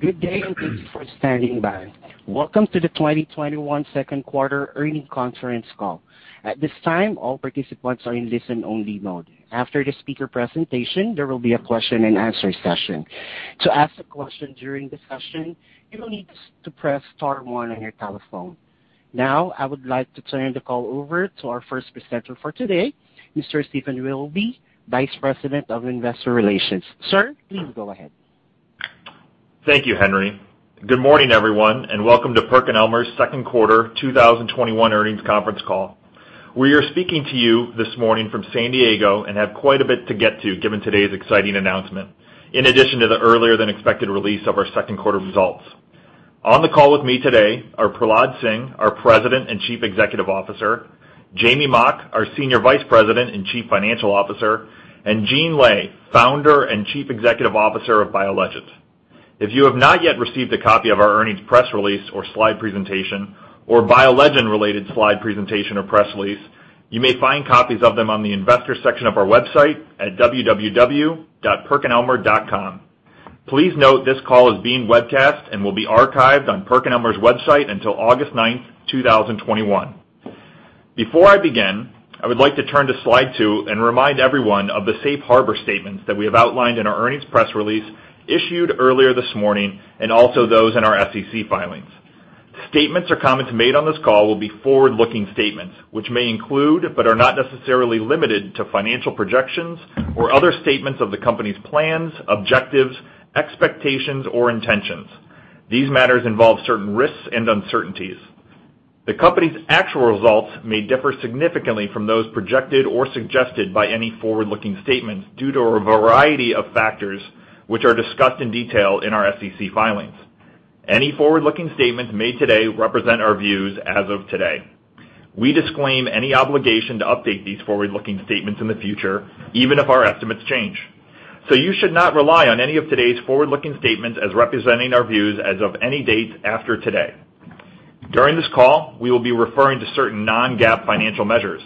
Good day, thank you for standing by. Welcome to the 2021 second quarter earnings conference call. At this time, all participants are in listen-only mode. After the speaker presentation, there will be a question and answer session. To ask a question during the session, you will need to press star one on your telephone. I would like to turn the call over to our first presenter for today, Mr. Steve Willoughby, Senior Vice President of Investor Relations. Sir, please go ahead. Thank you, Henry. Good morning, everyone. Welcome to PerkinElmer's 2nd quarter 2021 earnings conference call. We are speaking to you this morning from San Diego and have quite a bit to get to given today's exciting announcement, in addition to the earlier-than-expected release of our 2nd quarter results. On the call with me today are Prahlad Singh, our President and Chief Executive Officer; Jamey Mock, our Senior Vice President and Chief Financial Officer; and Gene Lay, Founder and Chief Executive Officer of BioLegend. If you have not yet received a copy of our earnings press release or slide presentation, or BioLegend related slide presentation or press release, you may find copies of them on the investor section of our website at www.perkinelmer.com. Please note this call is being webcast and will be archived on PerkinElmer's website until August 9, 2021. Before I begin, I would like to turn to slide two and remind everyone of the safe harbor statements that we have outlined in our earnings press release issued earlier this morning, and also those in our SEC filings. Statements or comments made on this call will be forward-looking statements, which may include, but are not necessarily limited to, financial projections or other statements of the company's plans, objectives, expectations, or intentions. These matters involve certain risks and uncertainties. The company's actual results may differ significantly from those projected or suggested by any forward-looking statements due to a variety of factors, which are discussed in detail in our SEC filings. Any forward-looking statements made today represent our views as of today. We disclaim any obligation to update these forward-looking statements in the future, even if our estimates change. You should not rely on any of today's forward-looking statements as representing our views as of any date after today. During this call, we will be referring to certain non-GAAP financial measures.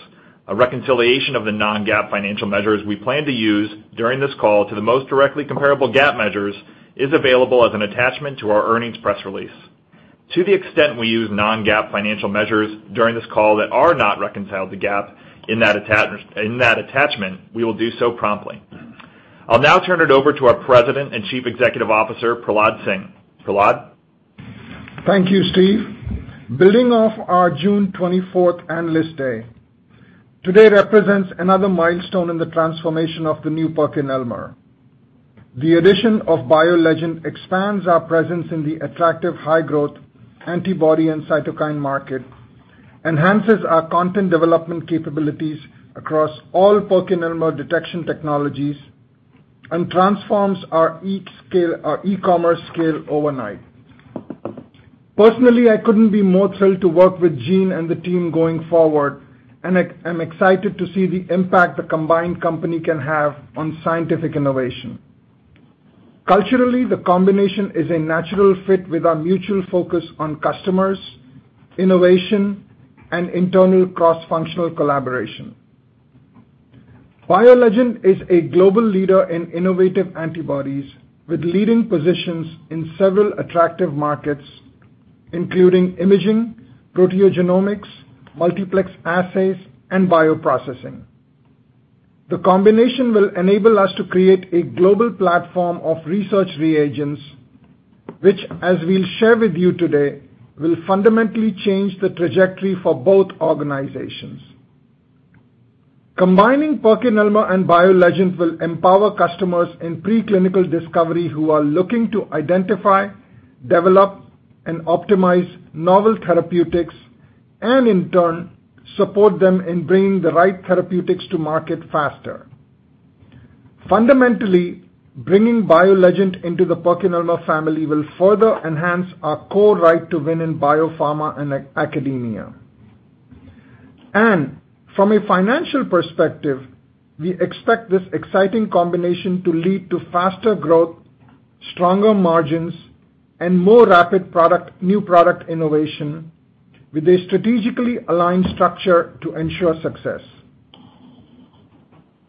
A reconciliation of the non-GAAP financial measures we plan to use during this call to the most directly comparable GAAP measures is available as an attachment to our earnings press release. To the extent we use non-GAAP financial measures during this call that are not reconciled to GAAP in that attachment, we will do so promptly. I'll now turn it over to our President and Chief Executive Officer, Prahlad Singh. Prahlad? Thank you, Steve. Building off our June 24th Analyst Day, today represents another milestone in the transformation of the new PerkinElmer. The addition of BioLegend expands our presence in the attractive high-growth antibody and cytokine market, enhances our content development capabilities across all PerkinElmer detection technologies, and transforms our e-commerce scale overnight. Personally, I couldn't be more thrilled to work with Gene and the team going forward, and I'm excited to see the impact the combined company can have on scientific innovation. Culturally, the combination is a natural fit with our mutual focus on customers, innovation, and internal cross-functional collaboration. BioLegend is a global leader in innovative antibodies with leading positions in several attractive markets, including imaging, proteogenomics, multiplex assays, and bioprocessing. The combination will enable us to create a global platform of research reagents, which, as we'll share with you today, will fundamentally change the trajectory for both organizations. Combining PerkinElmer and BioLegend will empower customers in preclinical discovery who are looking to identify, develop, and optimize novel therapeutics, and in turn, support them in bringing the right therapeutics to market faster. Fundamentally, bringing BioLegend into the PerkinElmer family will further enhance our core right to win in biopharma and academia. From a financial perspective, we expect this exciting combination to lead to faster growth, stronger margins, and more rapid new product innovation with a strategically aligned structure to ensure success.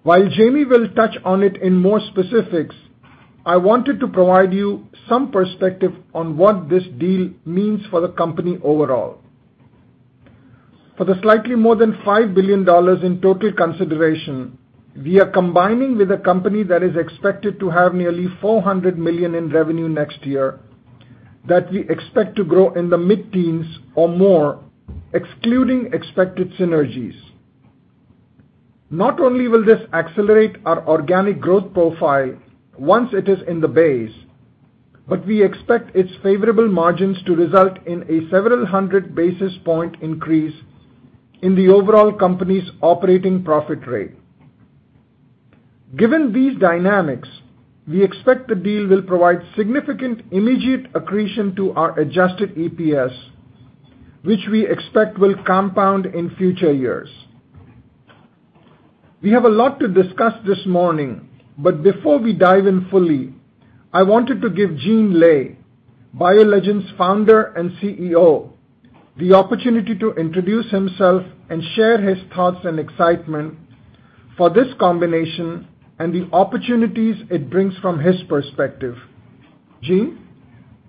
While Jamey will touch on it in more specifics, I wanted to provide you some perspective on what this deal means for the company overall. For the slightly more than $5 billion in total consideration, we are combining with a company that is expected to have nearly $400 million in revenue next year that we expect to grow in the mid-teens or more, excluding expected synergies. Not only will this accelerate our organic growth profile once it is in the base, but we expect its favorable margins to result in a several hundred basis point increase in the overall company's operating profit rate. Given these dynamics, we expect the deal will provide significant immediate accretion to our adjusted EPS, which we expect will compound in future years. We have a lot to discuss this morning, but before we dive in fully, I wanted to give Gene Lay, BioLegend's founder and CEO, the opportunity to introduce himself and share his thoughts and excitement for this combination and the opportunities it brings from his perspective. Gene?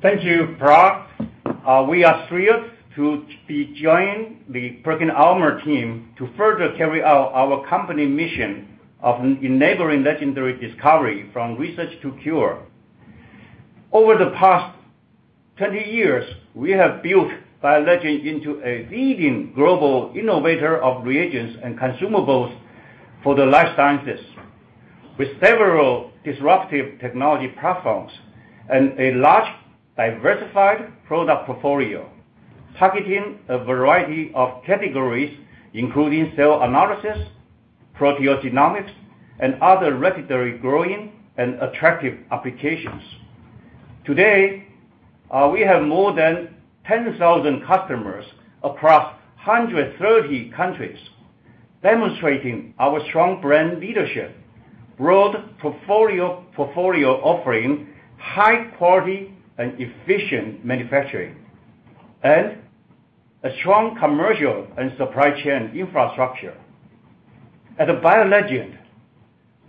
Thank you, Prahlad. We are thrilled to be joining the PerkinElmer team to further carry out our company mission of enabling legendary discovery from research to cure. Over the past 20 years, we have built BioLegend into a leading global innovator of reagents and consumables for the life sciences, with several disruptive technology platforms and a large diversified product portfolio targeting a variety of categories, including cell analysis, proteogenomics, and other rapidly growing and attractive applications. Today, we have more than 10,000 customers across 130 countries, demonstrating our strong brand leadership, broad portfolio offering, high quality and efficient manufacturing, and a strong commercial and supply chain infrastructure. At BioLegend,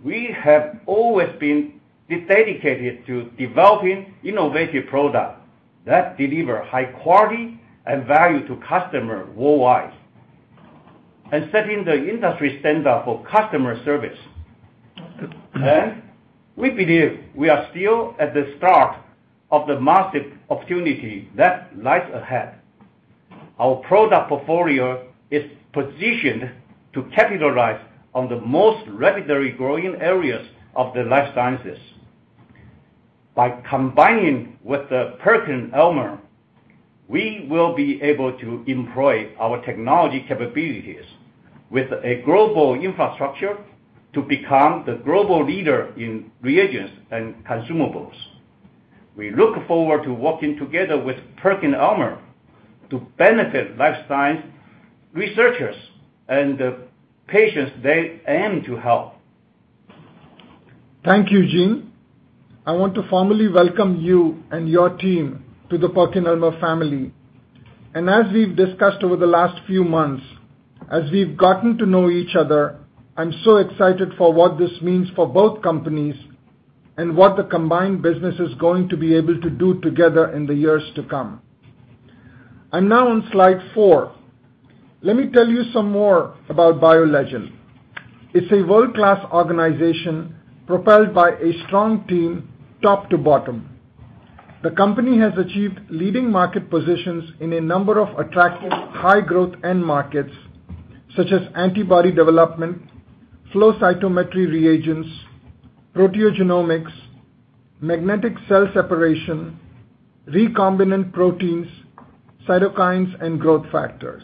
we have always been dedicated to developing innovative products that deliver high quality and value to customers worldwide and setting the industry standard for customer service. We believe we are still at the start of the massive opportunity that lies ahead. Our product portfolio is positioned to capitalize on the most rapidly growing areas of the life sciences. By combining with PerkinElmer, we will be able to employ our technology capabilities with a global infrastructure to become the global leader in reagents and consumables. We look forward to working together with PerkinElmer to benefit life science researchers and the patients they aim to help. Thank you, Gene. I want to formally welcome you and your team to the PerkinElmer family. As we've discussed over the last few months, as we've gotten to know each other, I'm so excited for what this means for both companies and what the combined business is going to be able to do together in the years to come. Now on slide four, let me tell you some more about BioLegend. It's a world-class organization propelled by a strong team, top to bottom. The company has achieved leading market positions in a number of attractive high-growth end markets, such as antibody development, flow cytometry reagents, proteogenomics, magnetic cell separation, recombinant proteins, cytokines, and growth factors.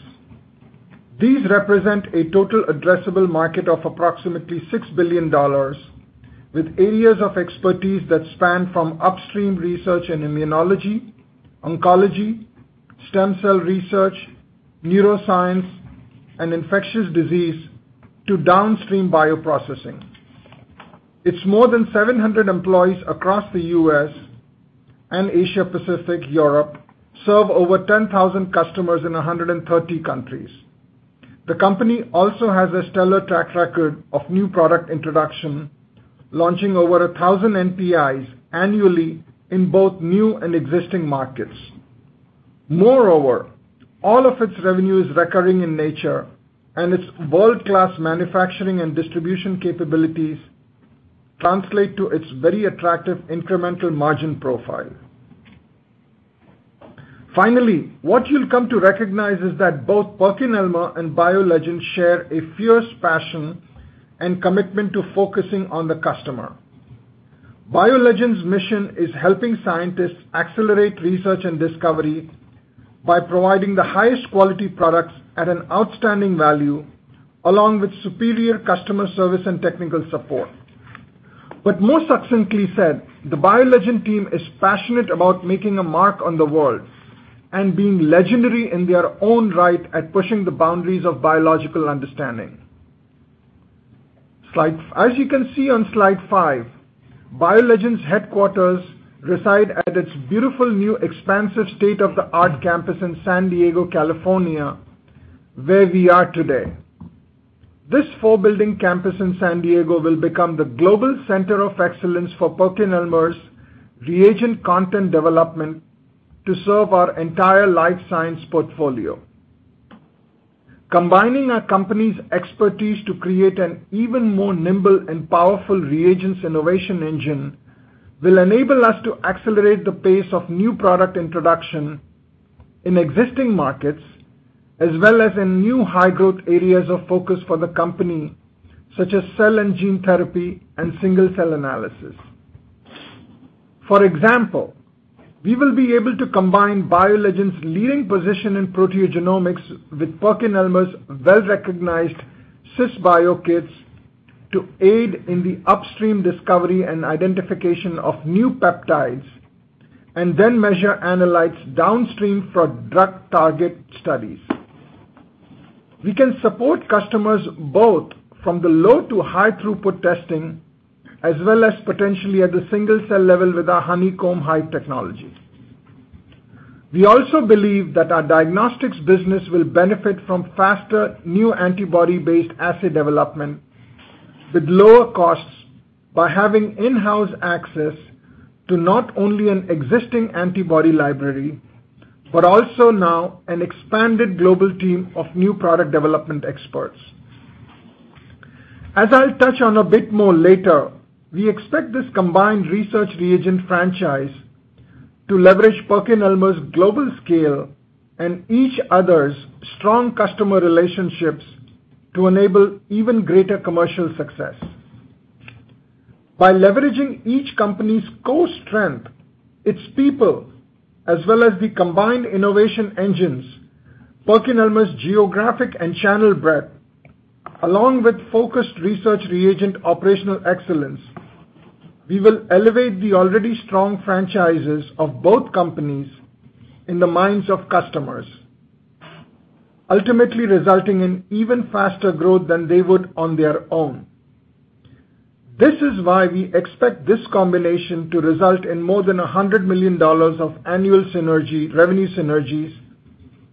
These represent a total addressable market of approximately $6 billion, with areas of expertise that span from upstream research in immunology, oncology, stem cell research, neuroscience, and infectious disease, to downstream bioprocessing. Its more than 700 employees across the U.S. and Asia Pacific, Europe, serve over 10,000 customers in 130 countries. The company also has a stellar track record of new product introduction, launching over 1,000 NPIs annually in both new and existing markets. Moreover, all of its revenue is recurring in nature, and its world-class manufacturing and distribution capabilities translate to its very attractive incremental margin profile. Finally, what you'll come to recognize is that both PerkinElmer and BioLegend share a fierce passion and commitment to focusing on the customer. BioLegend's mission is helping scientists accelerate research and discovery by providing the highest quality products at an outstanding value, along with superior customer service and technical support. More succinctly said, the BioLegend team is passionate about making a mark on the world and being legendary in their own right at pushing the boundaries of biological understanding. As you can see on slide 5, BioLegend's headquarters reside at its beautiful, new, expansive state-of-the-art campus in San Diego, California, where we are today. This four-building campus in San Diego will become the global center of excellence for PerkinElmer's reagent content development to serve our entire life science portfolio. Combining our companies' expertise to create an even more nimble and powerful reagents innovation engine will enable us to accelerate the pace of new product introduction in existing markets, as well as in new high-growth areas of focus for the company, such as cell and gene therapy and single-cell analysis. For example, we will be able to combine BioLegend's leading position in proteogenomics with PerkinElmer's well-recognized Sysbio kits to aid in the upstream discovery and identification of new peptides and then measure analytes downstream for drug target studies. We can support customers both from the low to high throughput testing, as well as potentially at the single-cell level with our Honeycomb high technology. We also believe that our diagnostics business will benefit from faster new antibody-based assay development with lower costs by having in-house access to not only an existing antibody library, but also now an expanded global team of new product development experts. As I'll touch on a bit more later, we expect this combined research reagent franchise to leverage PerkinElmer's global scale and each other's strong customer relationships to enable even greater commercial success. By leveraging each company's core strength, its people, as well as the combined innovation engines, PerkinElmer's geographic and channel breadth, along with focused research reagent operational excellence, we will elevate the already strong franchises of both companies in the minds of customers, ultimately resulting in even faster growth than they would on their own. This is why we expect this combination to result in more than $100 million of annual revenue synergies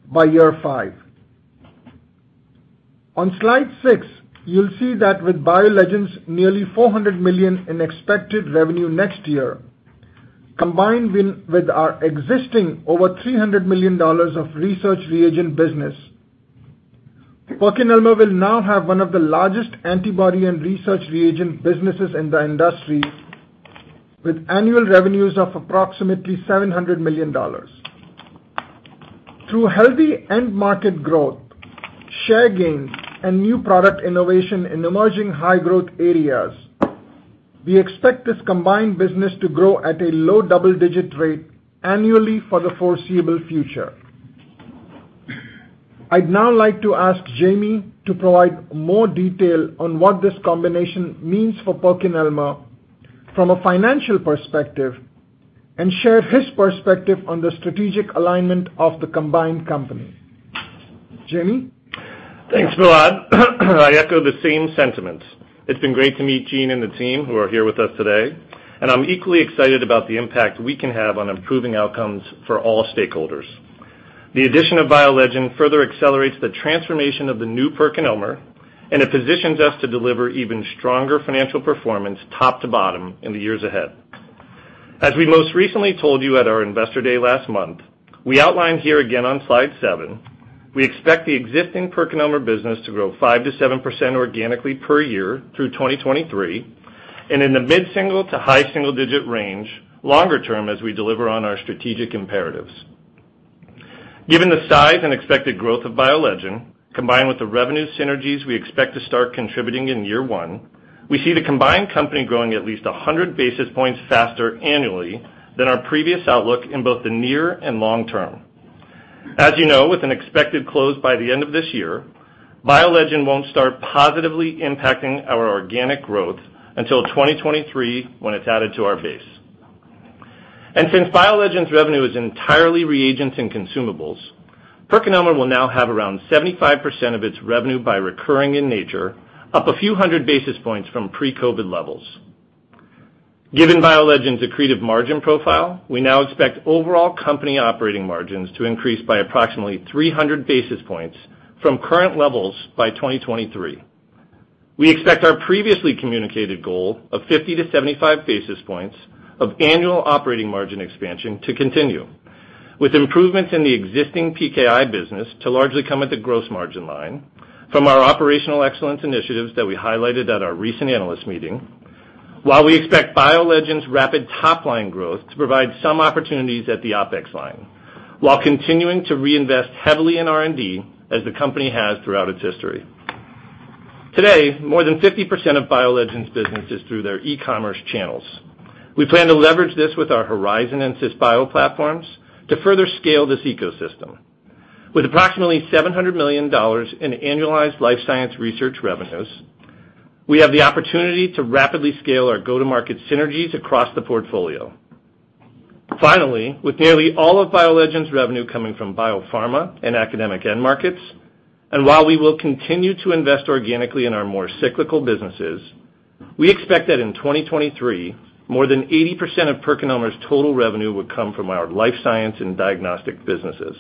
by year five. On slide six, you'll see that with BioLegend's nearly $400 million in expected revenue next year, combined with our existing over $300 million of research reagent business, PerkinElmer will now have one of the largest antibody and research reagent businesses in the industry with annual revenues of approximately $700 million. Through healthy end market growth, share gains, and new product innovation in emerging high-growth areas, we expect this combined business to grow at a low double-digit rate annually for the foreseeable future. I'd now like to ask Jamey to provide more detail on what this combination means for PerkinElmer from a financial perspective and share his perspective on the strategic alignment of the combined company. Jamey? Thanks, Prahlad. I echo the same sentiments. It has been great to meet Gene and the team who are here with us today, and I am equally excited about the impact we can have on improving outcomes for all stakeholders. The addition of BioLegend further accelerates the transformation of the new PerkinElmer, and it positions us to deliver even stronger financial performance top to bottom in the years ahead. As we most recently told you at our Investor Day last month, we outlined here again on slide seven, we expect the existing PerkinElmer business to grow 5%-7% organically per year through 2023, and in the mid-single to high-single digit range longer term as we deliver on our strategic imperatives. Given the size and expected growth of BioLegend, combined with the revenue synergies we expect to start contributing in year one, we see the combined company growing at least 100 basis points faster annually than our previous outlook in both the near and long term. As you know, with an expected close by the end of this year, BioLegend won't start positively impacting our organic growth until 2023, when it's added to our base. Since BioLegend's revenue is entirely reagents and consumables, PerkinElmer will now have around 75% of its revenue by recurring in nature, up a few hundred basis points from pre-COVID levels. Given BioLegend's accretive margin profile, we now expect overall company operating margins to increase by approximately 300 basis points from current levels by 2023. We expect our previously communicated goal of 50 to 75 basis points of annual operating margin expansion to continue, with improvements in the existing PKI business to largely come at the gross margin line from our operational excellence initiatives that we highlighted at our recent analyst meeting. While we expect BioLegend's rapid top-line growth to provide some opportunities at the OpEx line, while continuing to reinvest heavily in R&D as the company has throughout its history. Today, more than 50% of BioLegend's business is through their e-commerce channels. We plan to leverage this with our Horizon and Cisbio platforms to further scale this ecosystem. With approximately $700 million in annualized life science research revenues, we have the opportunity to rapidly scale our go-to-market synergies across the portfolio. With nearly all of BioLegend's revenue coming from biopharma and academic end markets, and while we will continue to invest organically in our more cyclical businesses, we expect that in 2023, more than 80% of PerkinElmer's total revenue would come from our life science and diagnostic businesses.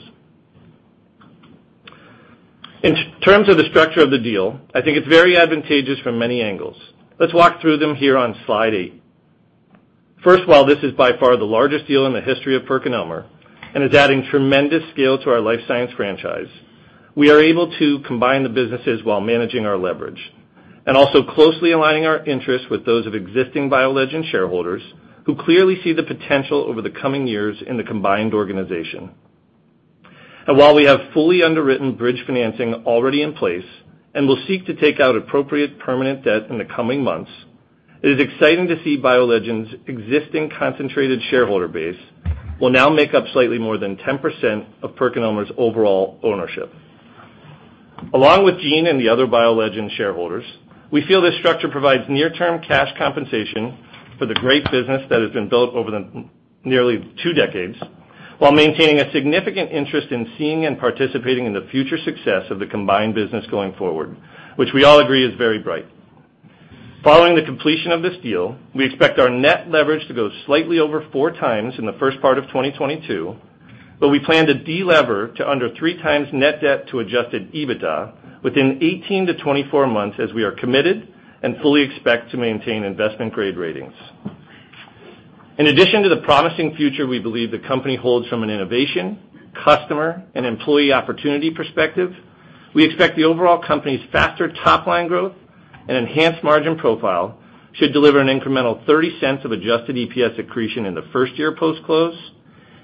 In terms of the structure of the deal, I think it's very advantageous from many angles. Let's walk through them here on slide eight. While this is by far the largest deal in the history of PerkinElmer and is adding tremendous scale to our life science franchise, we are able to combine the businesses while managing our leverage, and also closely aligning our interests with those of existing BioLegend shareholders, who clearly see the potential over the coming years in the combined organization. While we have fully underwritten bridge financing already in place and will seek to take out appropriate permanent debt in the coming months, it is exciting to see BioLegend's existing concentrated shareholder base will now make up slightly more than 10% of PerkinElmer's overall ownership. Along with Gene and the other BioLegend shareholders, we feel this structure provides near-term cash compensation for the great business that has been built over the nearly two decades while maintaining a significant interest in seeing and participating in the future success of the combined business going forward, which we all agree is very bright. Following the completion of this deal, we expect our net leverage to go slightly over 4 times in the first part of 2022. We plan to de-lever to under three times net debt to adjusted EBITDA within 18 to 24 months as we are committed and fully expect to maintain investment grade ratings. In addition to the promising future we believe the company holds from an innovation, customer and employee opportunity perspective, we expect the overall company's faster top-line growth and enhanced margin profile should deliver an incremental $0.30 of adjusted EPS accretion in the first year post-close,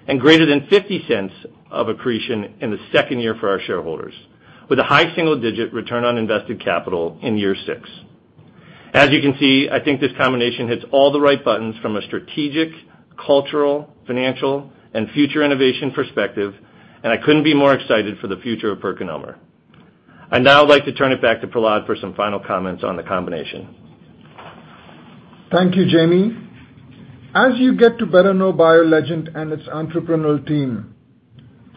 and greater than $0.50 of accretion in the second year for our shareholders, with a high single-digit return on invested capital in year six. As you can see, I think this combination hits all the right buttons from a strategic, cultural, financial, and future innovation perspective, and I couldn't be more excited for the future of PerkinElmer. I'd now like to turn it back to Prahlad for some final comments on the combination. Thank you, Jamey. As you get to better know BioLegend and its entrepreneurial team,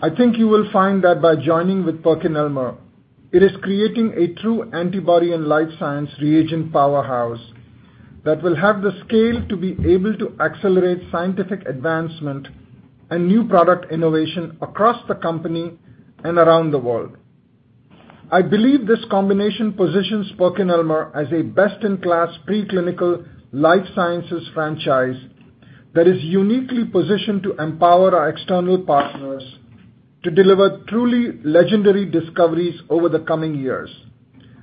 I think you will find that by joining with PerkinElmer, it is creating a true antibody and life science reagent powerhouse that will have the scale to be able to accelerate scientific advancement and new product innovation across the company and around the world. I believe this combination positions PerkinElmer as a best-in-class preclinical life sciences franchise that is uniquely positioned to empower our external partners to deliver truly legendary discoveries over the coming years,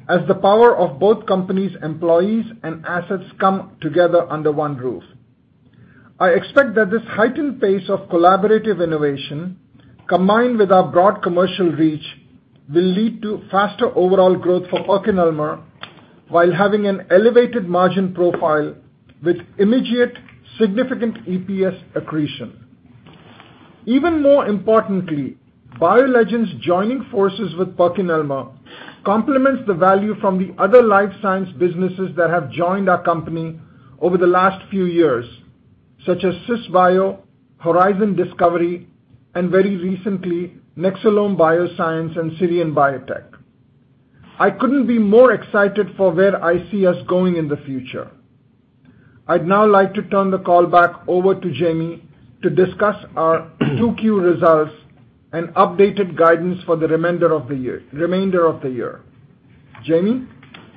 as the power of both companies' employees and assets come together under one roof. I expect that this heightened pace of collaborative innovation, combined with our broad commercial reach, will lead to faster overall growth for PerkinElmer while having an elevated margin profile with immediate significant EPS accretion. Even more importantly, BioLegend's joining forces with PerkinElmer complements the value from the other life science businesses that have joined our company over the last few years, such as Cisbio, Horizon Discovery, and very recently, Nexcelom Bioscience and SIRION Biotech. I couldn't be more excited for where I see us going in the future. I'd now like to turn the call back over to Jamey to discuss our 2Q results and updated guidance for the remainder of the year. Jamey?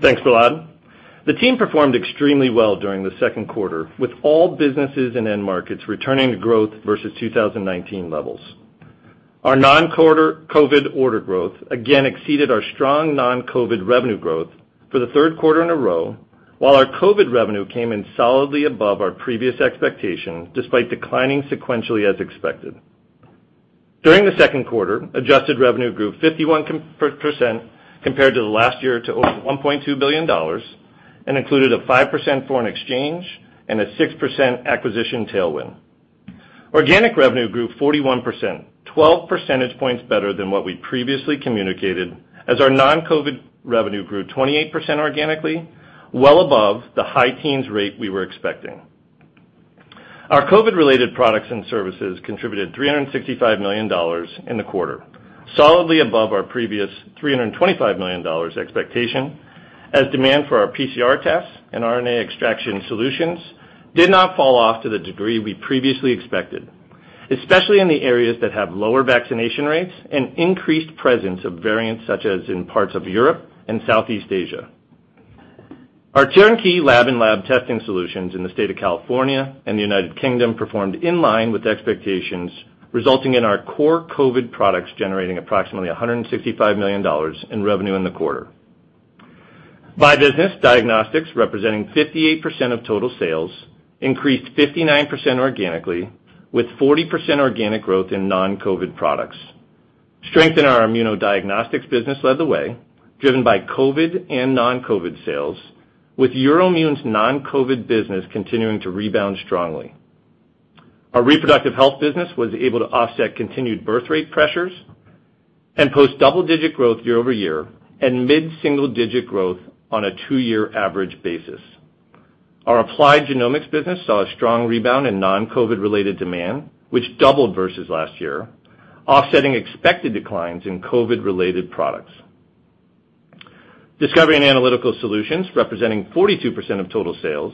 Thanks, Prahlad. The team performed extremely well during the 2nd quarter, with all businesses and end markets returning to growth versus 2019 levels. Our non-COVID COVID order growth again exceeded our strong non-COVID revenue growth for the 3rd quarter in a row, while our COVID revenue came in solidly above our previous expectation, despite declining sequentially as expected. During the 2nd quarter, adjusted revenue grew 51% compared to the last year to over $1.2 billion, and included a 5% foreign exchange and a 6% acquisition tailwind. Organic revenue grew 41%, 12 percentage points better than what we'd previously communicated, as our non-COVID revenue grew 28% organically, well above the high teens rate we were expecting. Our COVID-related products and services contributed $365 million in the quarter, solidly above our previous $325 million expectation, as demand for our PCR tests and RNA extraction solutions did not fall off to the degree we previously expected, especially in the areas that have lower vaccination rates and increased presence of variants, such as in parts of Europe and Southeast Asia. Our turnkey lab and lab testing solutions in the state of California and the U.K. performed in line with expectations, resulting in our core COVID products generating approximately $165 million in revenue in the quarter. By business, diagnostics, representing 58% of total sales, increased 59% organically, with 40% organic growth in non-COVID products. Strength in our immunodiagnostics business led the way, driven by COVID and non-COVID sales, with EUROIMMUN's non-COVID business continuing to rebound strongly. Our reproductive health business was able to offset continued birth rate pressures and post double-digit growth year-over-year, and mid-single digit growth on a two-year average basis. Our applied genomics business saw a strong rebound in non-COVID-related demand, which doubled versus last year, offsetting expected declines in COVID-related products. Discovery and Analytical Solutions, representing 42% of total sales,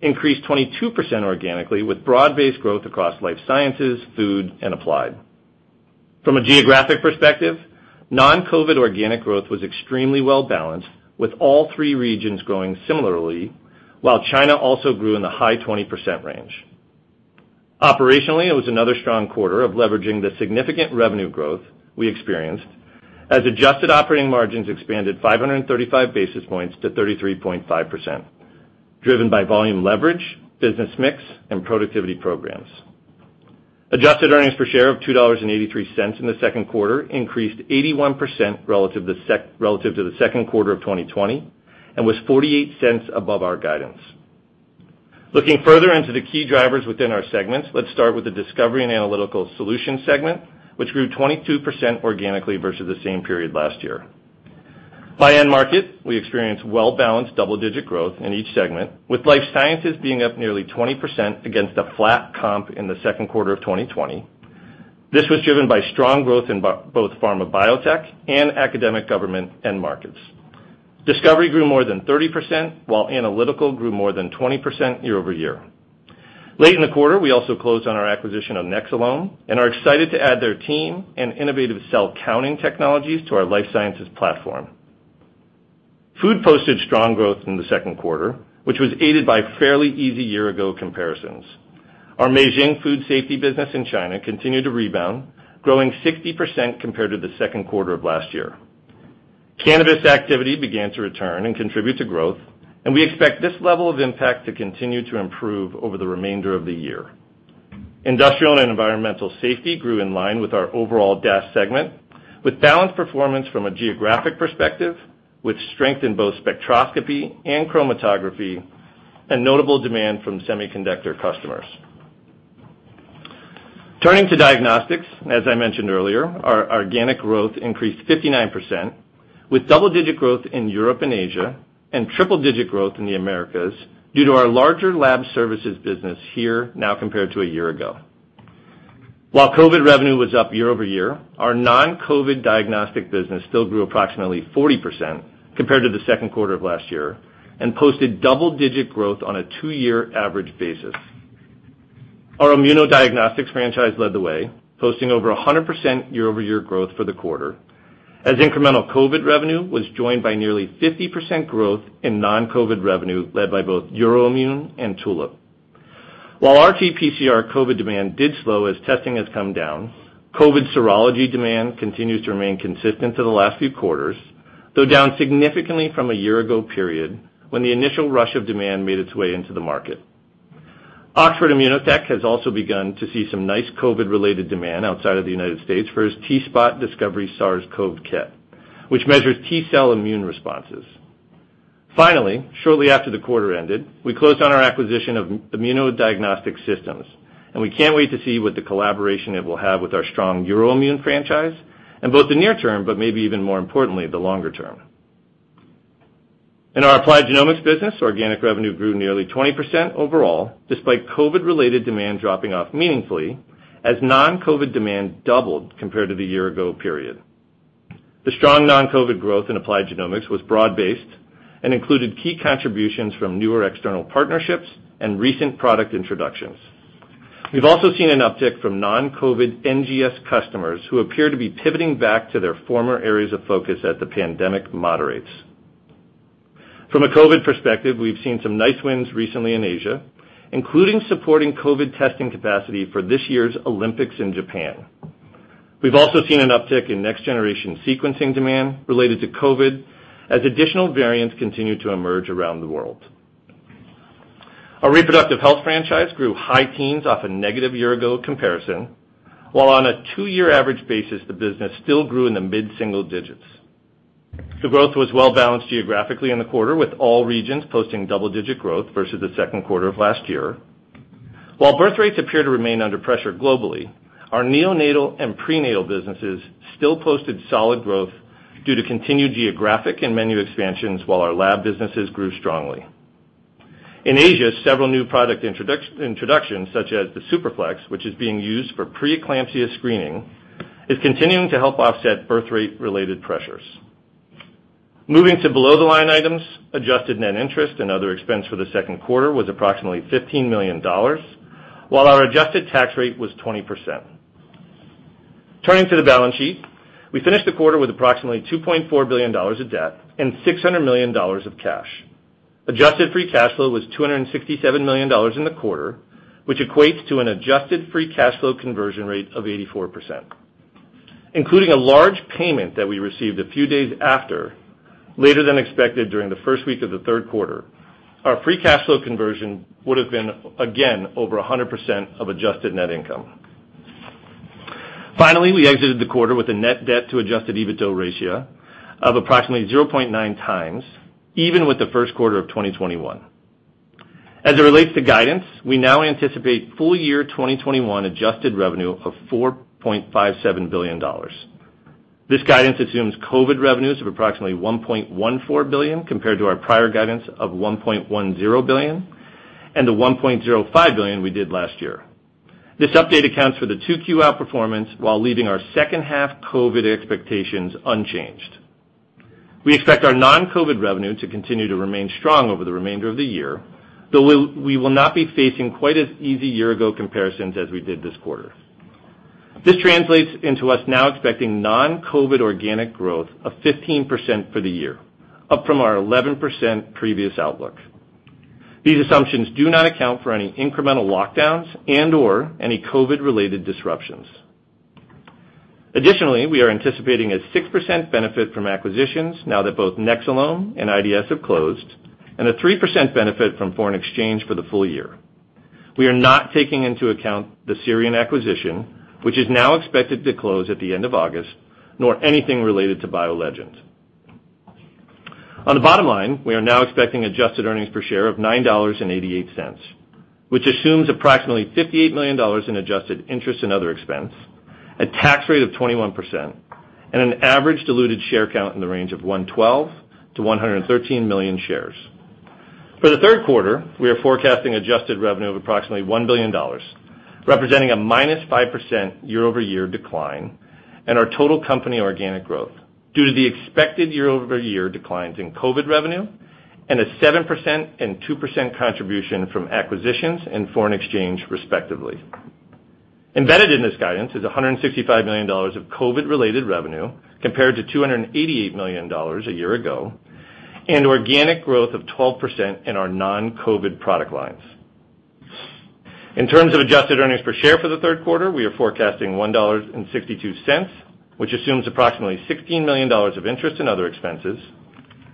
increased 22% organically with broad-based growth across life sciences, food, and applied. From a geographic perspective, non-COVID organic growth was extremely well-balanced, with all three regions growing similarly, while China also grew in the high 20% range. Operationally, it was another strong quarter of leveraging the significant revenue growth we experienced, as adjusted operating margins expanded 535 basis points to 33.5%, driven by volume leverage, business mix, and productivity programs. Adjusted earnings per share of $2.83 in the second quarter increased 81% relative to the second quarter of 2020 and was $0.48 above our guidance. Looking further into the key drivers within our segments, let's start with the Discovery and Analytical Solutions segment, which grew 22% organically versus the same period last year. By end market, we experienced well-balanced double-digit growth in each segment, with life sciences being up nearly 20% against a flat comp in the second quarter of 2020. This was driven by strong growth in both pharma biotech and academic government end markets. Discovery grew more than 30%, while Analytical grew more than 20% year-over-year. Late in the quarter, we also closed on our acquisition of Nexcelom and are excited to add their team and innovative cell counting technologies to our life sciences platform. Food posted strong growth in the 2nd quarter, which was aided by fairly easy year-ago comparisons. Our Meizheng food safety business in China continued to rebound, growing 60% compared to the 2nd quarter of last year. Cannabis activity began to return and contribute to growth, and we expect this level of impact to continue to improve over the remainder of the year. Industrial and environmental safety grew in line with our overall dash segment, with balanced performance from a geographic perspective, with strength in both spectroscopy and chromatography, and notable demand from semiconductor customers. Turning to diagnostics, as I mentioned earlier, our organic growth increased 59%, with double-digit growth in Europe and Asia and triple-digit growth in the Americas due to our larger lab services business here now compared to a year ago. While COVID revenue was up year-over-year, our non-COVID diagnostic business still grew approximately 40% compared to the second quarter of last year and posted double-digit growth on a two-year average basis. Our immunodiagnostics franchise led the way, posting over 100% year-over-year growth for the quarter, as incremental COVID revenue was joined by nearly 50% growth in non-COVID revenue led by both EUROIMMUN and Tulip. While RT-PCR COVID demand did slow as testing has come down, COVID serology demand continues to remain consistent to the last few quarters, though down significantly from a year ago period when the initial rush of demand made its way into the market. Oxford Immunotec has also begun to see some nice COVID-related demand outside of the U.S. for its T-SPOT Discovery SARS-CoV-2 kit, which measures T-cell immune responses. Shortly after the quarter ended, we closed on our acquisition of Immunodiagnostic Systems, and we can't wait to see what the collaboration it will have with our strong EUROIMMUN franchise in both the near term, but maybe even more importantly, the longer term. In our applied genomics business, organic revenue grew nearly 20% overall, despite COVID-related demand dropping off meaningfully as non-COVID demand doubled compared to the year-ago period. The strong non-COVID growth in applied genomics was broad-based and included key contributions from newer external partnerships and recent product introductions. We've also seen an uptick from non-COVID NGS customers who appear to be pivoting back to their former areas of focus as the pandemic moderates. From a COVID perspective, we've seen some nice wins recently in Asia, including supporting COVID testing capacity for this year's Olympics in Japan. We've also seen an uptick in next-generation sequencing demand related to COVID as additional variants continue to emerge around the world. Our reproductive health franchise grew high teens off a negative year-ago comparison, while on a two-year average basis the business still grew in the mid-single digits. The growth was well balanced geographically in the quarter, with all regions posting double-digit growth versus the second quarter of last year. While birth rates appear to remain under pressure globally, our neonatal and prenatal businesses still posted solid growth due to continued geographic and menu expansions, while our lab businesses grew strongly. In Asia, several new product introductions, such as the Superflex, which is being used for pre-eclampsia screening, is continuing to help offset birth rate-related pressures. Moving to below-the-line items, adjusted net interest and other expense for the second quarter was approximately $15 million, while our adjusted tax rate was 20%. Turning to the balance sheet, we finished the quarter with approximately $2.4 billion of debt and $600 million of cash. Adjusted free cash flow was $267 million in the quarter, which equates to an adjusted free cash flow conversion rate of 84%. Including a large payment that we received a few days later than expected during the first week of the third quarter, our free cash flow conversion would have been again over 100% of adjusted net income. Finally, we exited the quarter with a net debt to adjusted EBITDA ratio of approximately 0.9 times, even with the first quarter of 2021. As it relates to guidance, we now anticipate full year 2021 adjusted revenue of $4.57 billion. This guidance assumes COVID revenues of approximately $1.14 billion compared to our prior guidance of $1.10 billion and the $1.05 billion we did last year. This update accounts for the 2Q outperformance while leaving our second half COVID expectations unchanged. We expect our non-COVID revenue to continue to remain strong over the remainder of the year, though we will not be facing quite as easy year-ago comparisons as we did this quarter. This translates into us now expecting non-COVID organic growth of 15% for the year, up from our 11% previous outlook. These assumptions do not account for any incremental lockdowns and/or any COVID-related disruptions. Additionally, we are anticipating a 6% benefit from acquisitions now that both Nexcelom and IDS have closed, and a 3% benefit from foreign exchange for the full year. We are not taking into account the SIRION acquisition, which is now expected to close at the end of August, nor anything related to BioLegend. On the bottom line, we are now expecting adjusted earnings per share of $9.88, which assumes approximately $58 million in adjusted interest and other expense, a tax rate of 21%, and an average diluted share count in the range of 112 million-113 million shares. For the third quarter, we are forecasting adjusted revenue of approximately $1 billion, representing a -5% year-over-year decline in our total company organic growth due to the expected year-over-year declines in COVID revenue and a 7% and 2% contribution from acquisitions and foreign exchange, respectively. Embedded in this guidance is $165 million of COVID-related revenue compared to $288 million a year ago, and organic growth of 12% in our non-COVID product lines. In terms of adjusted earnings per share for the third quarter, we are forecasting $1.62, which assumes approximately $16 million of interest in other expenses,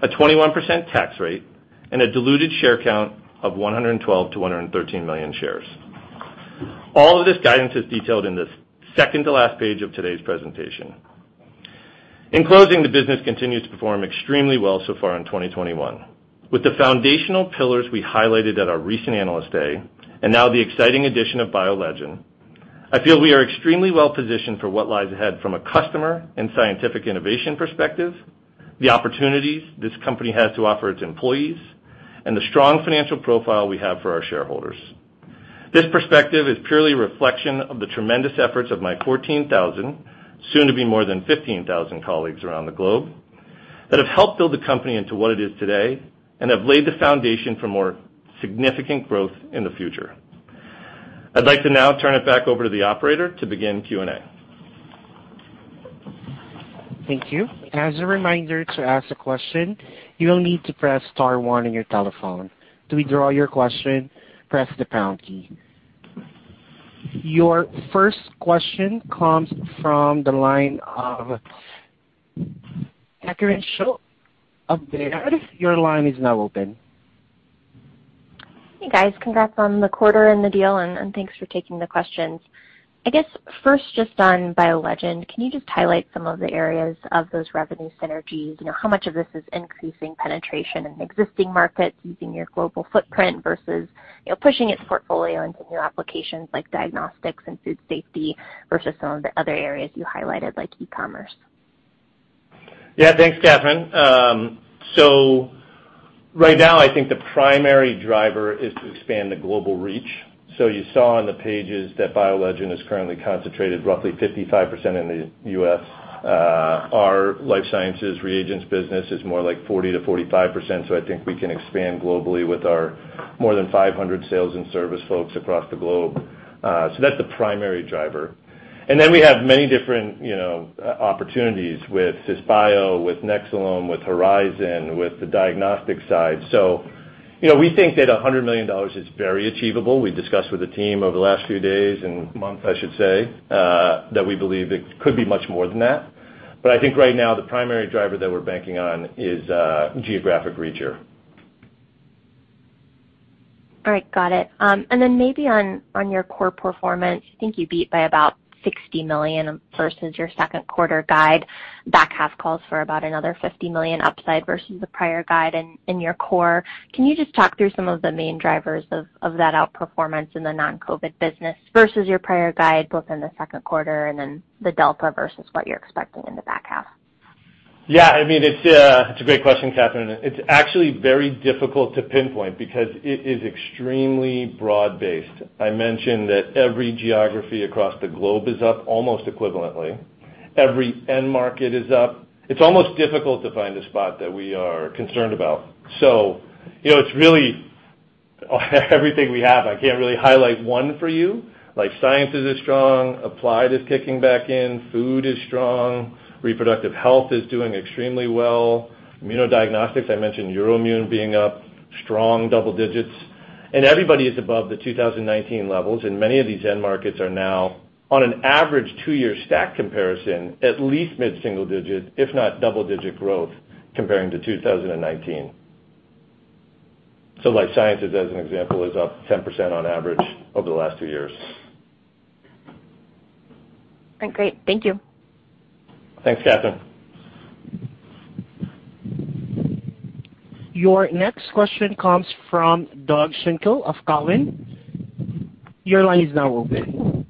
a 21% tax rate, and a diluted share count of 112 to 113 million shares. All of this guidance is detailed in the second to last page of today's presentation. In closing, the business continues to perform extremely well so far in 2021. With the foundational pillars we highlighted at our recent Analyst Day and now the exciting addition of BioLegend, I feel we are extremely well-positioned for what lies ahead from a customer and scientific innovation perspective, the opportunities this company has to offer its employees, and the strong financial profile we have for our shareholders. This perspective is purely a reflection of the tremendous efforts of my 14,000, soon to be more than 15,000 colleagues around the globe that have helped build the company into what it is today and have laid the foundation for more significant growth in the future. I'd like to now turn it back over to the operator to begin Q&A. Thank you. As a reminder, to ask a question, you will need to press star one on your telephone. To withdraw your question, press the pound key. Your first question comes from the line of Catherine Schulte of Baird. Your line is now open. Hey, guys. Congrats on the quarter and the deal. Thanks for taking the questions. I guess first, just on BioLegend, can you just highlight some of the areas of those revenue synergies? How much of this is increasing penetration in existing markets using your global footprint versus pushing its portfolio into new applications like diagnostics and food safety versus some of the other areas you highlighted, like e-commerce? Yeah. Thanks, Catherine. Right now, I think the primary driver is to expand the global reach. You saw on the pages that BioLegend is currently concentrated roughly 55% in the U.S. Our life sciences reagents business is more like 40%-45%. I think we can expand globally with our more than 500 sales and service folks across the globe. That's the primary driver. We have many different opportunities with Cisbio, with Nexcelom, with Horizon, with the diagnostic side. We think that $100 million is very achievable. We discussed with the team over the last few days, and months, I should say, that we believe it could be much more than that. I think right now the primary driver that we're banking on is geographic reach. All right. Got it. Maybe on your core performance, I think you beat by about $60 million versus your second quarter guide. Back half calls for about another $50 million upside versus the prior guide in your core. Can you just talk through some of the main drivers of that outperformance in the non-COVID business versus your prior guide, both in the second quarter and then the delta versus what you're expecting in the back half? Yeah. It's a great question, Catherine. It's actually very difficult to pinpoint because it is extremely broad-based. I mentioned that every geography across the globe is up almost equivalently. Every end market is up. It's almost difficult to find a spot that we are concerned about. It's really everything we have. I can't really highlight one for you. Life sciences is strong, applied is kicking back in, food is strong, reproductive health is doing extremely well. Immunodiagnostics, I mentioned EUROIMMUN being up strong double digits. Everybody is above the 2019 levels, and many of these end markets are now, on an average two-year stack comparison, at least mid-single digit, if not double-digit growth comparing to 2019. Life sciences, as an example, is up 10% on average over the last two years. Great. Thank you. Thanks, Catherine. Your next question comes from Doug Schenkel of Cowen. Your line is now open.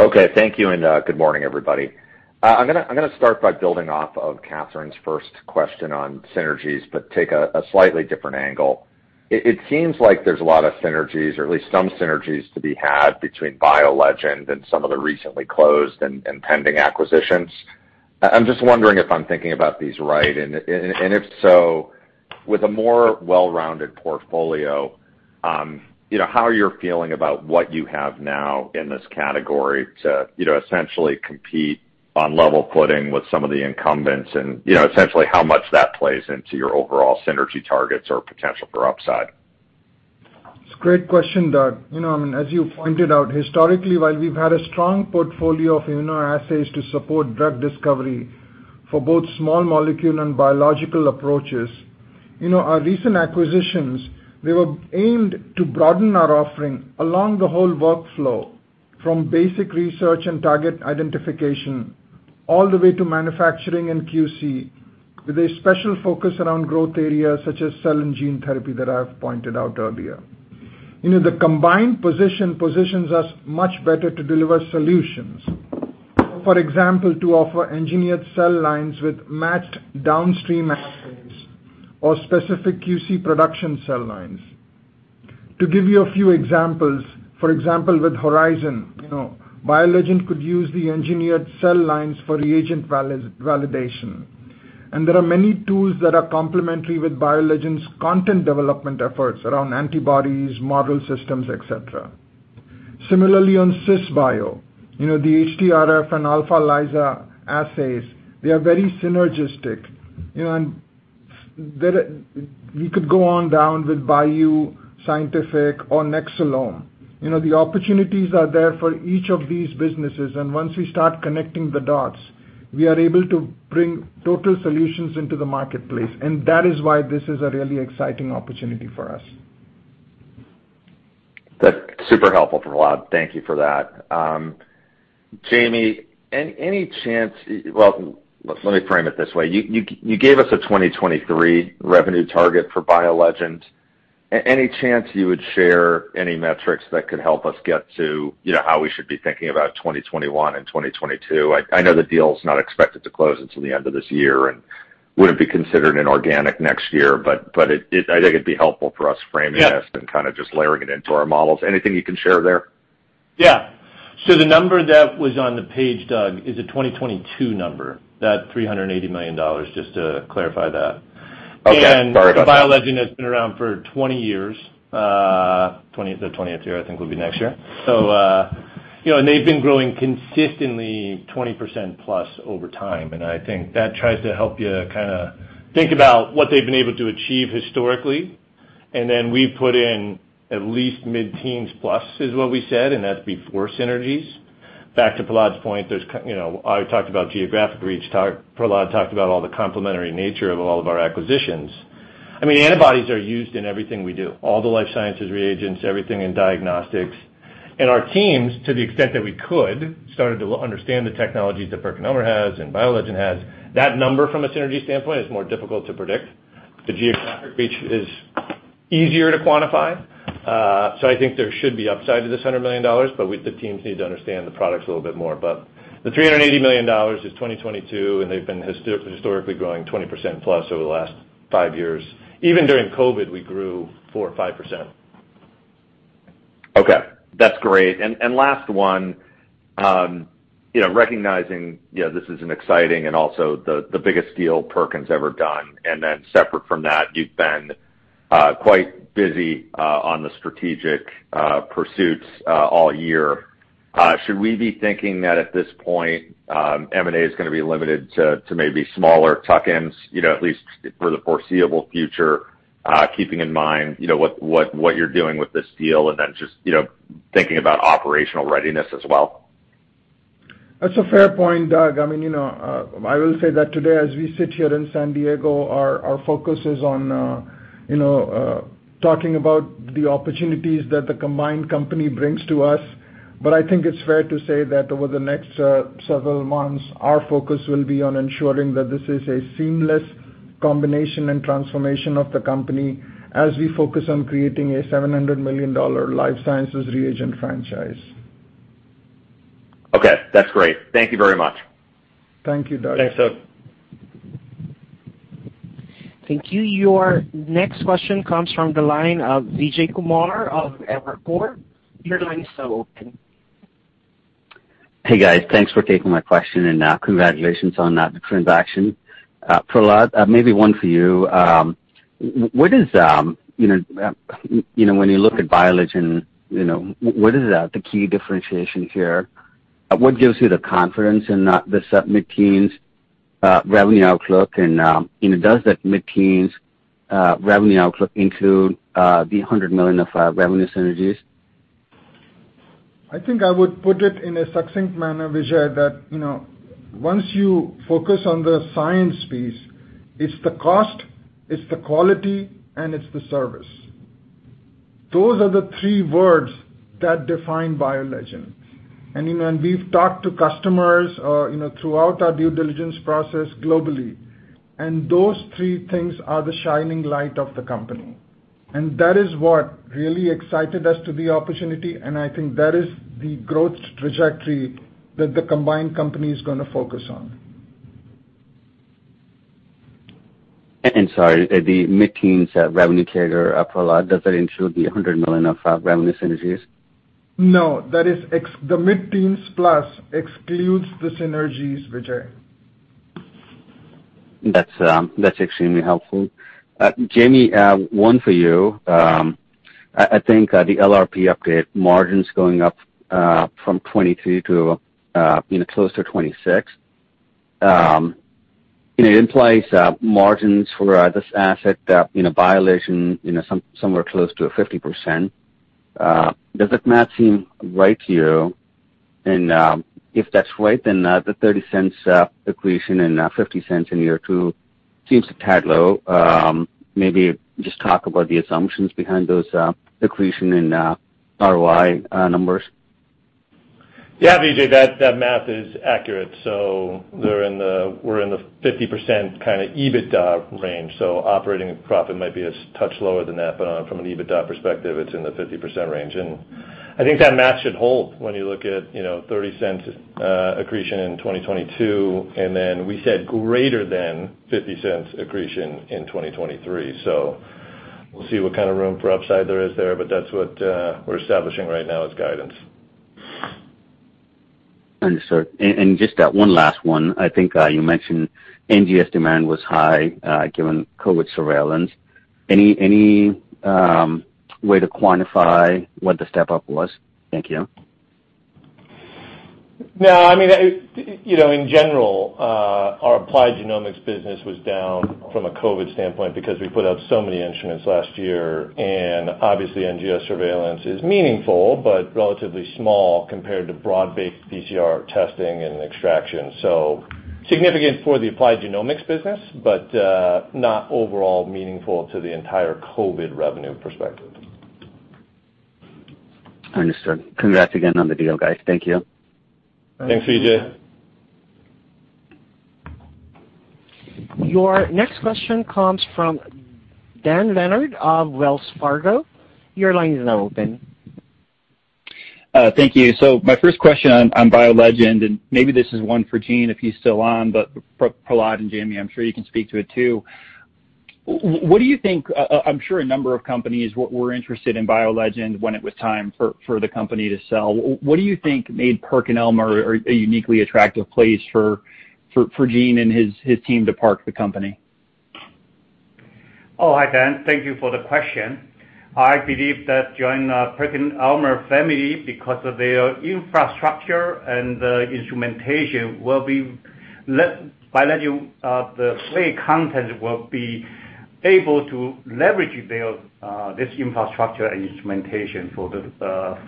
Okay. Thank you, and good morning, everybody. I'm going to start by building off of Catherine's first question on synergies but take a slightly different angle. It seems like there's a lot of synergies, or at least some synergies to be had between BioLegend and some of the recently closed and pending acquisitions. I'm just wondering if I'm thinking about these right, and if so, with a more well-rounded portfolio, how you're feeling about what you have now in this category to essentially compete on level footing with some of the incumbents and essentially how much that plays into your overall synergy targets or potential for upside. It's a great question, Doug. As you pointed out, historically, while we've had a strong portfolio of immunoassays to support drug discovery for both small molecule and biological approaches, our recent acquisitions, they were aimed to broaden our offering along the whole workflow, from basic research and target identification all the way to manufacturing and QC, with a special focus around growth areas such as cell and gene therapy that I have pointed out earlier. The combined positions us much better to deliver solutions. For example, to offer engineered cell lines with matched downstream assays or specific QC production cell lines. To give you a few examples, for example, with Horizon, BioLegend could use the engineered cell lines for reagent validation. There are many tools that are complementary with BioLegend's content development efforts around antibodies, model systems, et cetera. Similarly, on Cisbio, the HTRF and AlphaLISA assays, they are very synergistic. We could go on down with Bioo Scientific or Nexcelom. The opportunities are there for each of these businesses, and once we start connecting the dots, we are able to bring total solutions into the marketplace, and that is why this is a really exciting opportunity for us. That's super helpful, Prahlad. Thank you for that. Jamey, Well, let me frame it this way. You gave us a 2023 revenue target for BioLegend. Any chance you would share any metrics that could help us get to how we should be thinking about 2021 and 2022? I know the deal's not expected to close until the end of this year and wouldn't be considered inorganic next year. Yeah kind of just layering it into our models. Anything you can share there? Yeah. The number that was on the page, Doug, is a 2022 number, that $380 million. Just to clarify that. Okay. Sorry about that. BioLegend has been around for 20 years. The 20th year, I think, will be next year. They've been growing consistently 20%+ over time, and I think that tries to help you think about what they've been able to achieve historically. Then we've put in at least mid-teens+, is what we said, and that's before synergies. Back to Prahlad's point, I talked about geographic reach. Prahlad talked about all the complementary nature of all of our acquisitions. Antibodies are used in everything we do, all the life sciences reagents, everything in diagnostics. Our teams, to the extent that we could, started to understand the technologies that PerkinElmer has and BioLegend has. That number from a synergy standpoint is more difficult to predict. The geographic reach is easier to quantify. I think there should be upside to this $100 million, but the teams need to understand the products a little bit more. The $380 million is 2022, and they've been historically growing 20% plus over the last 5 years. Even during COVID, we grew 4% or 5%. Okay. That's great. Last one, recognizing this is an exciting and also the biggest deal Perkin's ever done. Separate from that, you've been quite busy on the strategic pursuits all year. Should we be thinking that at this point, M&A is going to be limited to maybe smaller tuck-ins, at least for the foreseeable future, keeping in mind what you're doing with this deal and then just thinking about operational readiness as well? That's a fair point, Doug. I will say that today as we sit here in San Diego, our focus is on talking about the opportunities that the combined company brings to us. I think it's fair to say that over the next several months, our focus will be on ensuring that this is a seamless combination and transformation of the company as we focus on creating a $700 million life sciences reagent franchise. Okay. That's great. Thank you very much. Thank you, Doug. Thanks, Doug. Thank you. Your next question comes from the line of Vijay Kumar of Evercore. Your line is now open. Hey, guys. Thanks for taking my question and congratulations on that transaction. Prahlad, maybe one for you. When you look at BioLegend, what is the key differentiation here? What gives you the confidence in the mid-teens revenue outlook, and does that mid-teens revenue outlook include the $100 million of revenue synergies? I think I would put it in a succinct manner, Vijay, that once you focus on the science piece, it's the cost, it's the quality, and it's the service. Those are the three words that define BioLegend. We've talked to customers throughout our due diligence process globally, and those three things are the shining light of the company. That is what really excited us to the opportunity, and I think that is the growth trajectory that the combined company is going to focus on. Sorry, the mid-teens revenue figure, Prahlad, does that include the $100 million of revenue synergies? No. The mid-teens plus excludes the synergies, Vijay. That's extremely helpful. Jamey, one for you. I think the LRP update margins going up from 22% to close to 26% implies margins for this asset that BioLegend somewhere close to 50%. Does that math seem right to you? And if that's right, then the $0.30 accretion and $0.50 in year two seems a tad low. Maybe just talk about the assumptions behind those accretion and ROI numbers. Yeah, Vijay, that math is accurate. We're in the 50% kind of EBITDA range. Operating profit might be a touch lower than that, but from an EBITDA perspective, it's in the 50% range. I think that math should hold when you look at $0.30 accretion in 2022, and then we said greater than $0.50 accretion in 2023. We'll see what kind of room for upside there is there, but that's what we're establishing right now as guidance. Understood. Just that one last one, I think you mentioned NGS demand was high, given COVID surveillance. Any way to quantify what the step-up was? Thank you. No. In general, our applied genomics business was down from a COVID standpoint because we put out so many instruments last year, and obviously NGS surveillance is meaningful, but relatively small compared to broad-based PCR testing and extraction. Significant for the applied genomics business, but not overall meaningful to the entire COVID revenue perspective. Understood. Congrats again on the deal, guys. Thank you. Thanks, Vijay Kumar. Your next question comes from Dan Leonard of Wells Fargo. Your line is now open. Thank you. My first question on BioLegend, maybe this is one for Gene if he's still on, Prahlad and Jamey, I'm sure you can speak to it, too. I'm sure a number of companies were interested in BioLegend when it was time for the company to sell. What do you think made PerkinElmer a uniquely attractive place for Gene and his team to park the company? Oh, hi, Dan. Thank you for the question. I believe that joining PerkinElmer family because of their infrastructure and the instrumentation will be let BioLegend, the play content will be able to leverage this infrastructure and instrumentation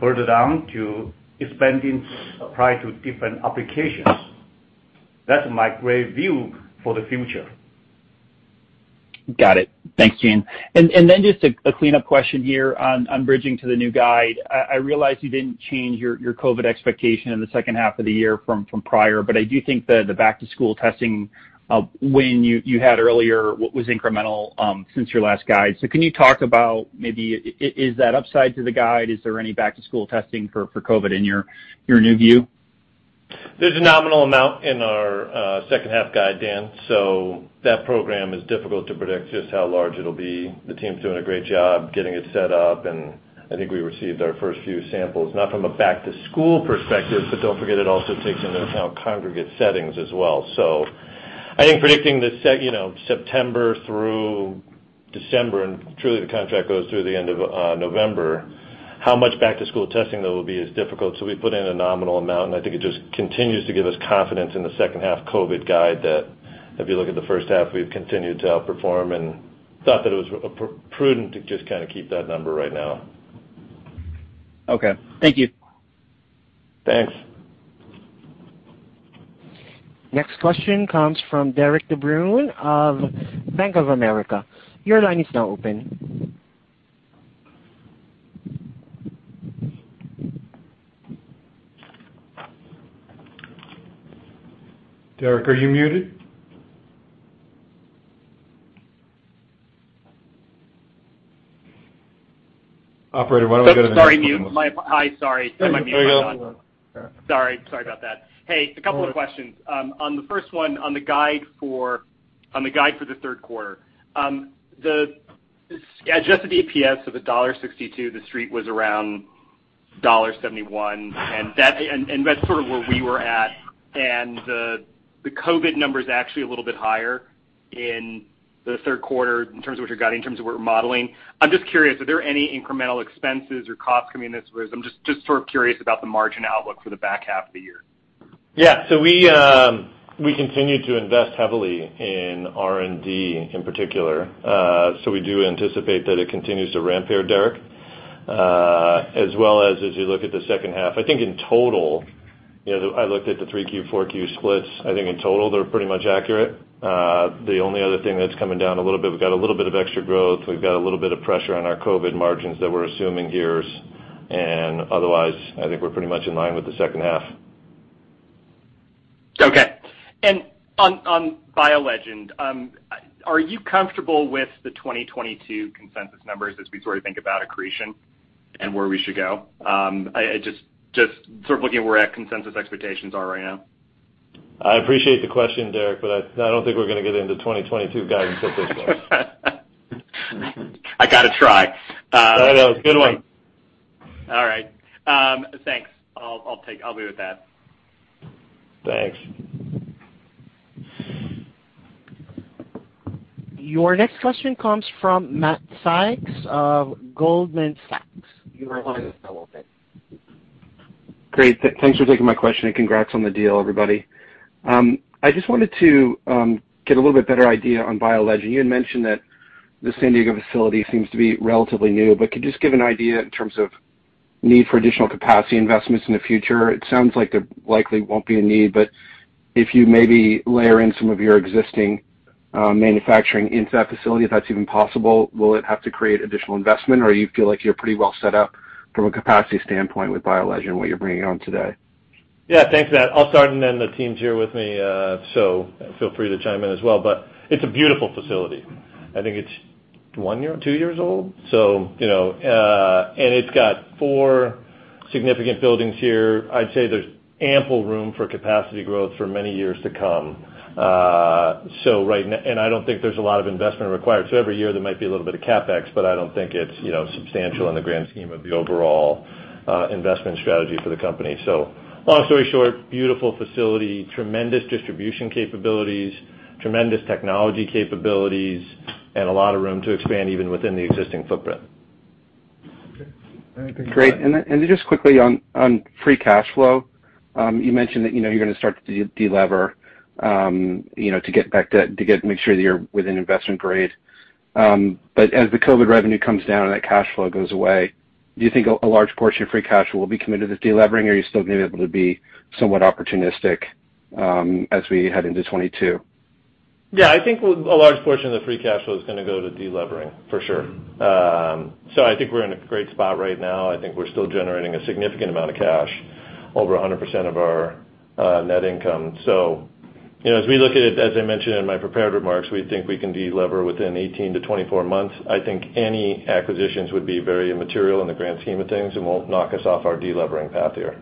further down to expanding applied to different applications. That's my great view for the future. Got it. Thanks, Gene. Just a clean-up question here on bridging to the new guide. I realize you didn't change your COVID expectation in the second half of the year from prior. I do think that the back-to-school testing win you had earlier was incremental since your last guide. Can you talk about maybe is that upside to the guide? Is there any back-to-school testing for COVID in your new view? There's a nominal amount in our second half guide, Dan, so that program is difficult to predict just how large it'll be. The team's doing a great job getting it set up, and I think we received our first few samples, not from a back-to-school perspective, but don't forget it also takes into account congregate settings as well. I think predicting the September through December, and truly the contract goes through the end of November, how much back-to-school testing there will be is difficult, so we put in a nominal amount, and I think it just continues to give us confidence in the second half COVID guide that if you look at the 1st half, we've continued to outperform and thought that it was prudent to just keep that number right now. Okay. Thank you. Thanks. Next question comes from Derik de Bruin of Bank of America. Your line is now open. Derik, are you muted? Operator, why don't we go to the next. Sorry, mute. Hi, sorry. I might be muted. There you go. Sorry about that. Hey, a couple of questions. On the first one, on the guide for the third quarter. The adjusted EPS of $1.62, the street was around $1.71, and that's sort of where we were at, and the COVID number's actually a little bit higher in the third quarter in terms of what you're guiding, in terms of what we're modeling. I'm just curious, are there any incremental expenses or costs coming in this? I'm just curious about the margin outlook for the back half of the year. Yeah. We continue to invest heavily in R&D in particular. We do anticipate that it continues to ramp here, Derik, as well as you look at the second half, I think in total, I looked at the three Q, four Q splits. I think in total they're pretty much accurate. The only other thing that's coming down a little bit, we've got a little bit of extra growth, we've got a little bit of pressure on our COVID margins that we're assuming here, and otherwise, I think we're pretty much in line with the second half. Okay. On BioLegend, are you comfortable with the 2022 consensus numbers as we sort of think about accretion and where we should go? Just sort of looking where our consensus expectations are right now. I appreciate the question, Derek, but I don't think we're going to get into 2022 guidance at this point. I got to try. No, no. It's a good one. All right. Thanks. I'll be with that. Thanks. Your next question comes from Matthew Sykes of Goldman Sachs. Your line is now open. Great. Thanks for taking my question. Congrats on the deal, everybody. I just wanted to get a little bit better idea on BioLegend. You had mentioned that the San Diego facility seems to be relatively new. Could you just give an idea in terms of need for additional capacity investments in the future? It sounds like there likely won't be a need. If you maybe layer in some of your existing manufacturing into that facility, if that's even possible, will it have to create additional investment, or you feel like you're pretty well set up from a capacity standpoint with BioLegend, what you're bringing on today? Yeah. Thanks, Matt. I'll start. The team's here with me, feel free to chime in as well. It's a beautiful facility. I think it's one year or two years old. It's got four significant buildings here. I'd say there's ample room for capacity growth for many years to come. I don't think there's a lot of investment required. Every year there might be a little bit of CapEx, I don't think it's substantial in the grand scheme of the overall investment strategy for the company. Long story short, beautiful facility, tremendous distribution capabilities, tremendous technology capabilities, a lot of room to expand even within the existing footprint. Okay. All right. Thank you. Great. Then just quickly on free cash flow, you mentioned that you're going to start to de-lever, to make sure that you're within investment grade. As the COVID revenue comes down and that cash flow goes away, do you think a large portion of free cash flow will be committed to de-levering, or you still going to be able to be somewhat opportunistic, as we head into 2022? Yeah, I think a large portion of the free cash flow is going to go to de-levering, for sure. I think we're in a great spot right now. I think we're still generating a significant amount of cash, over 100% of our net income. As we look at it, as I mentioned in my prepared remarks, we think we can de-lever within 18 to 24 months. I think any acquisitions would be very immaterial in the grand scheme of things and won't knock us off our de-levering path here.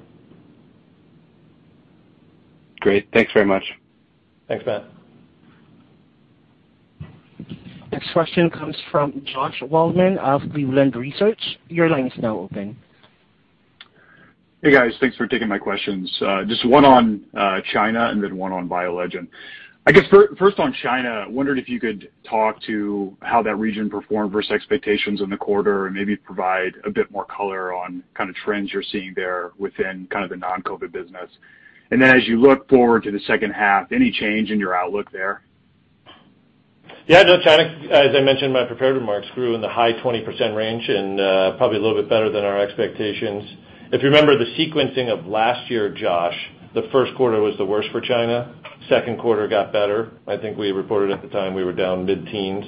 Great. Thanks very much. Thanks, Matt. Next question comes from Josh Waldman of Cleveland Research. Your line is now open. Hey, guys. Thanks for taking my questions. Just one on China and then one on BioLegend. I guess first on China, wondered if you could talk to how that region performed versus expectations in the quarter, and maybe provide a bit more color on trends you're seeing there within the non-COVID business. As you look forward to the second half, any change in your outlook there? Yeah, Josh, China, as I mentioned in my prepared remarks, grew in the high 20% range and probably a little bit better than our expectations. If you remember the sequencing of last year, Josh, the first quarter was the worst for China. Second quarter got better. I think we reported at the time we were down mid-teens.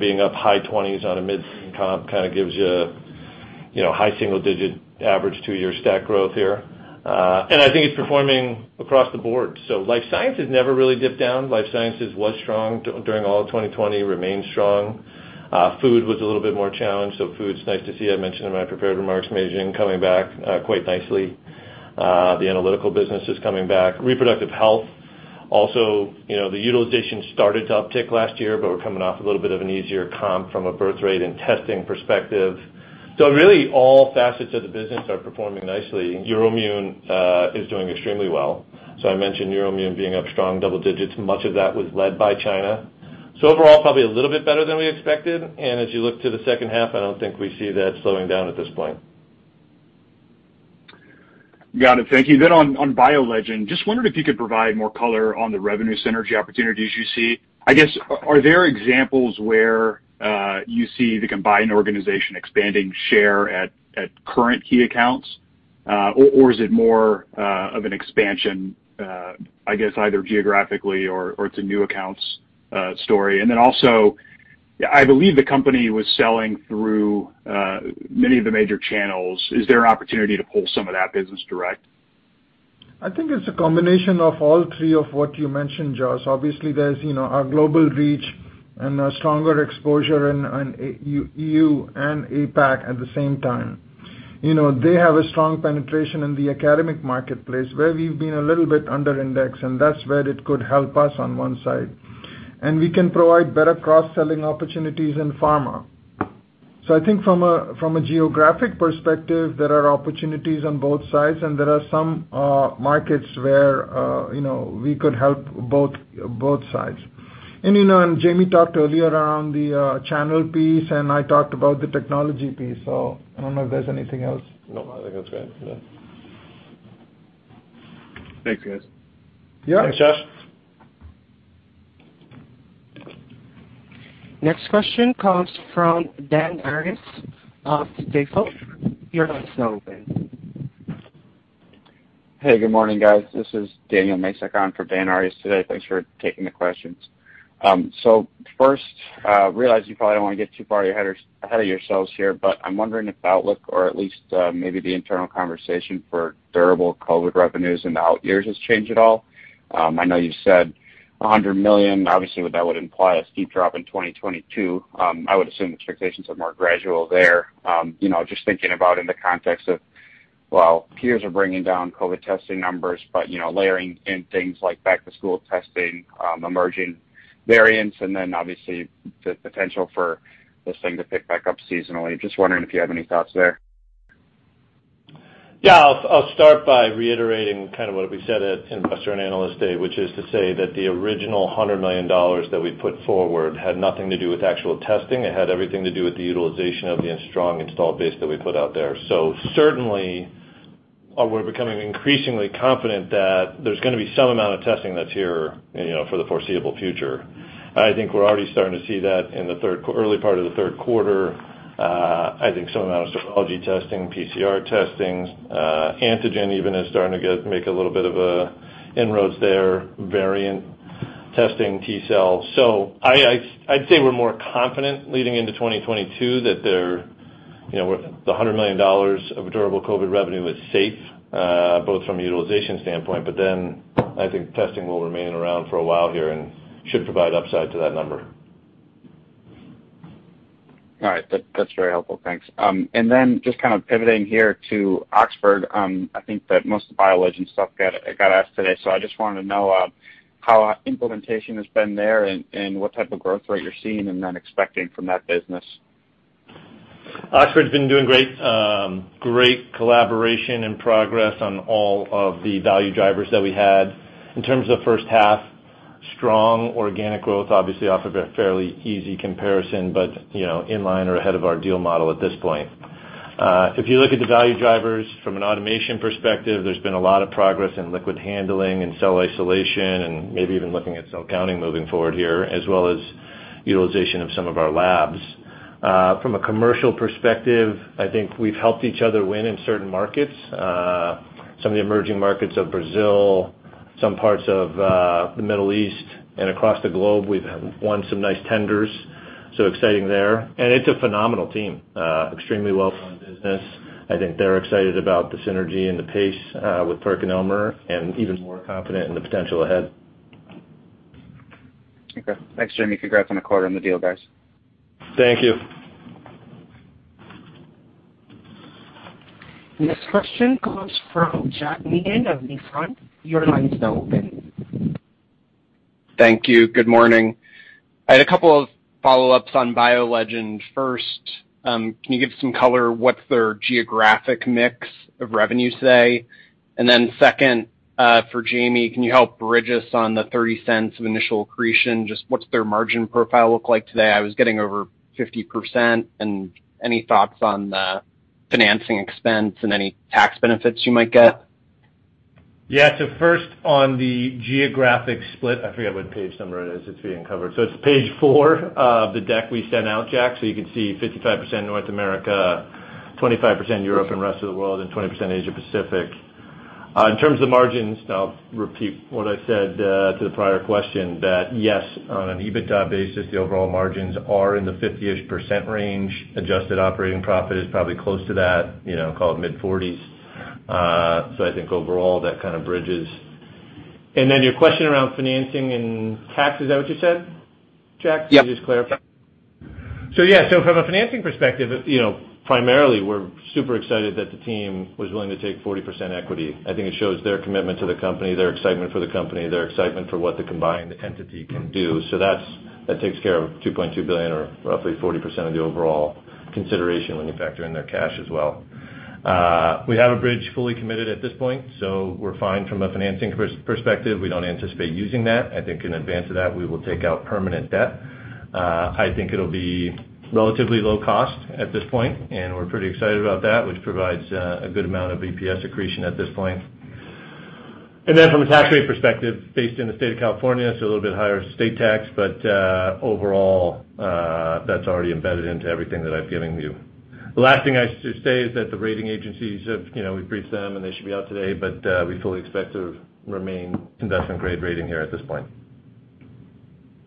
Being up high 20s on a mid-teen comp kind of gives you high single-digit average two-year stack growth here. I think it's performing across the board. Life sciences never really dipped down. Life sciences was strong during all of 2020, remains strong. Food was a little bit more challenged, so food's nice to see. I mentioned in my prepared remarks Meizheng coming back quite nicely. The analytical business is coming back. Reproductive health also, the utilization started to uptick last year. We're coming off a little bit of an easier comp from a birth rate and testing perspective. Really all facets of the business are performing nicely. Neuromune is doing extremely well. I mentioned Neuromune being up strong double digits. Much of that was led by China. Overall, probably a little bit better than we expected. As you look to the second half, I don't think we see that slowing down at this point. Got it. Thank you. On BioLegend, just wondered if you could provide more color on the revenue synergy opportunities you see. I guess, are there examples where you see the combined organization expanding share at current key accounts? Is it more of an expansion, I guess, either geographically or it's a new accounts story? I believe the company was selling through many of the major channels. Is there an opportunity to pull some of that business direct? I think it's a combination of all three of what you mentioned, Josh. Obviously, there's our global reach and a stronger exposure in EU and APAC at the same time. They have a strong penetration in the academic marketplace where we've been a little bit under index, and that's where it could help us on one side. We can provide better cross-selling opportunities in pharma. I think from a geographic perspective, there are opportunities on both sides, and there are some markets where we could help both sides. Jamie talked earlier around the channel piece, and I talked about the technology piece. I don't know if there's anything else. No, I think that's good. Yeah. Thanks, guys. Yeah. Thanks, Josh. Next question comes from Daniel Arias of Jefferies. Your line is now open. Hey, good morning, guys. This is Daniel Mesa, covering for Daniel Arias today. Thanks for taking the questions. First, realize you probably don't want to get too far ahead of yourselves here, but I'm wondering if outlook or at least maybe the internal conversation for durable COVID revenues in the out years has changed at all. I know you said $100 million, obviously that would imply a steep drop in 2022. I would assume expectations are more gradual there. Just thinking about in the context of, while peers are bringing down COVID testing numbers, but layering in things like back-to-school testing, emerging variants, and then obviously the potential for this thing to pick back up seasonally. Just wondering if you have any thoughts there. Yeah. I'll start by reiterating kind of what we said at Investor and Analyst Day, which is to say that the original $100 million that we put forward had nothing to do with actual testing. It had everything to do with the utilization of the strong installed base that we put out there. Certainly, we're becoming increasingly confident that there's going to be some amount of testing that's here for the foreseeable future. I think we're already starting to see that in the early part of the third quarter. I think some amount of serology testing, PCR testing, antigen even is starting to make a little bit of inroads there, variant testing, T-cell. I'd say we're more confident leading into 2022 that The $100 million of durable COVID revenue is safe, both from a utilization standpoint, but then I think testing will remain around for a while here and should provide upside to that number. All right. That's very helpful. Thanks. Just kind of pivoting here to Oxford Immunotec, I think that most of the BioLegend stuff got asked today. I just wanted to know how implementation has been there and what type of growth rate you're seeing and then expecting from that business. Oxford's been doing great. Great collaboration and progress on all of the value drivers that we had. In terms of first half, strong organic growth, obviously off of a fairly easy comparison, but in line or ahead of our deal model at this point. If you look at the value drivers from an automation perspective, there's been a lot of progress in liquid handling and cell isolation and maybe even looking at cell counting moving forward here, as well as utilization of some of our labs. From a commercial perspective, I think we've helped each other win in certain markets. Some of the emerging markets of Brazil, some parts of the Middle East, and across the globe, we've won some nice tenders, so exciting there. It's a phenomenal team, extremely well-run business. I think they're excited about the synergy and the pace with PerkinElmer, and even more confident in the potential ahead. Okay. Thanks, Jamey. Congrats on the quarter and the deal, guys. Thank you. This question comes from Jack Meehan of Nephron Research. Thank you. Good morning. I had a couple of follow-ups on BioLegend. First, can you give some color, what's their geographic mix of revenue today? Second, for Jamie, can you help bridge us on the $0.30 of initial accretion? Just what's their margin profile look like today? I was getting over 50%. Any thoughts on the financing expense and any tax benefits you might get? Yeah. First, on the geographic split, I forget what page number it is. It's being covered. It's page four of the deck we sent out, Jack. You can see 55% North America, 25% Europe and rest of the world, and 20% Asia Pacific. In terms of margins, I'll repeat what I said to the prior question, that yes, on an EBITDA basis, the overall margins are in the 50-ish % range. Adjusted operating profit is probably close to that, call it mid-40s. I think overall, that kind of bridges. Your question around financing and tax, is that what you said, Jack? Yeah. Can you just clarify? Yeah, so from a financing perspective, primarily, we're super excited that the team was willing to take 40% equity. I think it shows their commitment to the company, their excitement for the company, their excitement for what the combined entity can do. That takes care of $2.2 billion or roughly 40% of the overall consideration when you factor in their cash as well. We have a bridge fully committed at this point, so we're fine from a financing perspective. We don't anticipate using that. I think in advance of that, we will take out permanent debt. I think it'll be relatively low cost at this point, and we're pretty excited about that, which provides a good amount of EPS accretion at this point. From a tax rate perspective, based in the state of California, so a little bit higher state tax, but overall, that's already embedded into everything that I've given you. The last thing I should say is that the rating agencies, we've briefed them, and they should be out today, but we fully expect to remain investment-grade rating here at this point.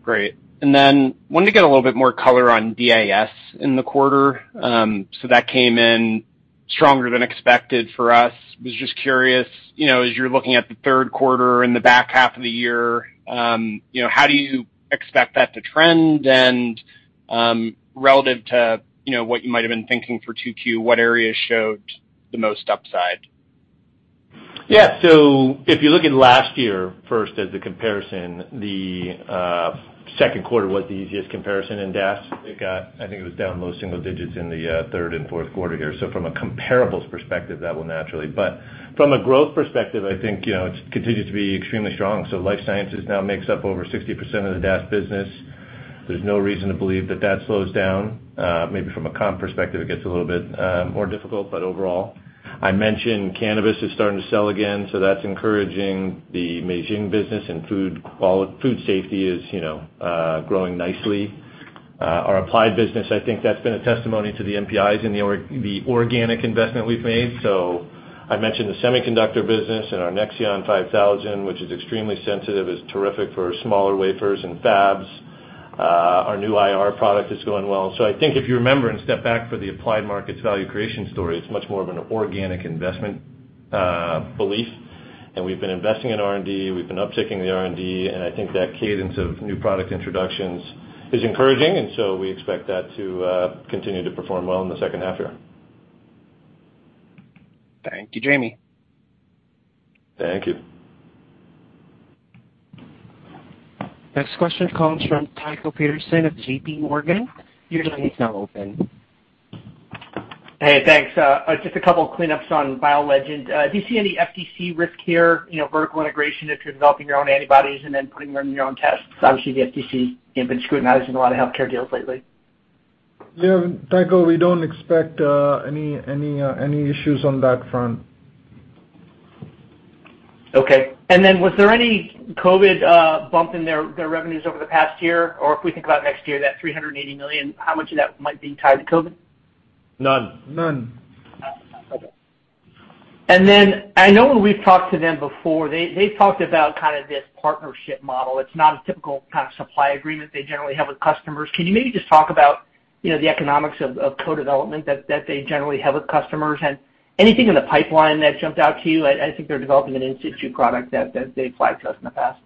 Great. Wanted to get a little bit more color on DAS in the quarter. That came in stronger than expected for us. Was just curious, as you're looking at the third quarter and the back half of the year, how do you expect that to trend? Relative to what you might've been thinking for 2Q, what areas showed the most upside? Yeah. If you look at last year first as the comparison, the second quarter was the easiest comparison in DAS. I think it was down low single digits in the third and fourth quarter here. From a growth perspective, I think it continues to be extremely strong. Life sciences now makes up over 60% of the DAS business. There's no reason to believe that slows down. Maybe from a comp perspective, it gets a little bit more difficult. I mentioned cannabis is starting to sell again, that's encouraging. The Meizheng business and food safety is growing nicely. Our applied business, I think that's been a testimony to the NPIs and the organic investment we've made. I mentioned the semiconductor business and our NexION 5000, which is extremely sensitive, is terrific for smaller wafers and fabs. Our new IR product is going well. I think if you remember and step back for the Applied markets value creation story, it's much more of an organic investment belief. We've been investing in R&D, we've been up-ticking the R&D, and I think that cadence of new product introductions is encouraging, and so we expect that to continue to perform well in the second half year. Thank you, Jamey. Thank you. Next question comes from Tycho Peterson of J.P. Morgan. Hey, thanks. Just a couple cleanups on BioLegend. Do you see any FTC risk here, vertical integration if you're developing your own antibodies and then putting them in your own tests? Obviously, the FTC have been scrutinizing a lot of healthcare deals lately. Yeah, Tycho, we don't expect any issues on that front. Okay. Was there any COVID bump in their revenues over the past year? If we think about next year, that $380 million, how much of that might be tied to COVID? None. None. I know when we've talked to them before, they talked about this partnership model. It's not a typical kind of supply agreement they generally have with customers. Can you maybe just talk about the economics of co-development that they generally have with customers and anything in the pipeline that jumped out to you? I think they're developing an in situ product that they flagged to us in the past.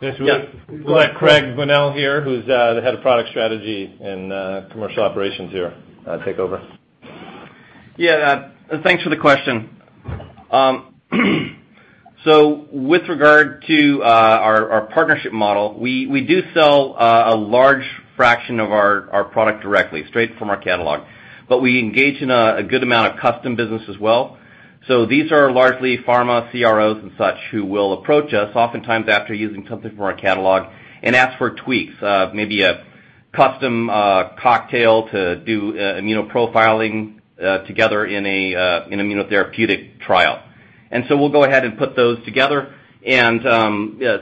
Yes. We'll let Craig Bunnell here, who's the Head of Product Strategy and Commercial Operations here, take over. Yeah. Thanks for the question. With regard to our partnership model, we do sell a large fraction of our product directly straight from our catalog, but we engage in a good amount of custom business as well. These are largely pharma CROs and such, who will approach us oftentimes after using something from our catalog and ask for tweaks, maybe a custom cocktail to do immunoprofiling together in an immunotherapeutic trial. We'll go ahead and put those together and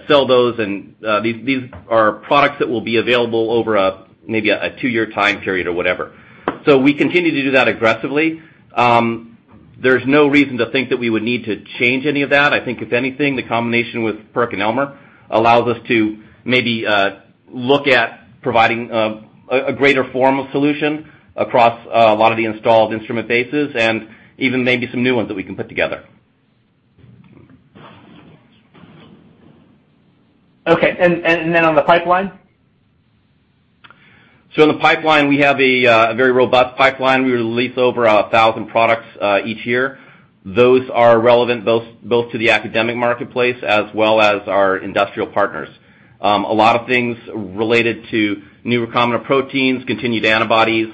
sell those, and these are products that will be available over maybe a 2-year time period or whatever. We continue to do that aggressively. There's no reason to think that we would need to change any of that. I think if anything, the combination with PerkinElmer allows us to maybe look at providing a greater formal solution across a lot of the installed instrument bases and even maybe some new ones that we can put together. Okay. On the pipeline? In the pipeline, we have a very robust pipeline. We release over 1,000 products each year. Those are relevant both to the academic marketplace as well as our industrial partners. A lot of things related to new recombinant proteins, continued antibodies,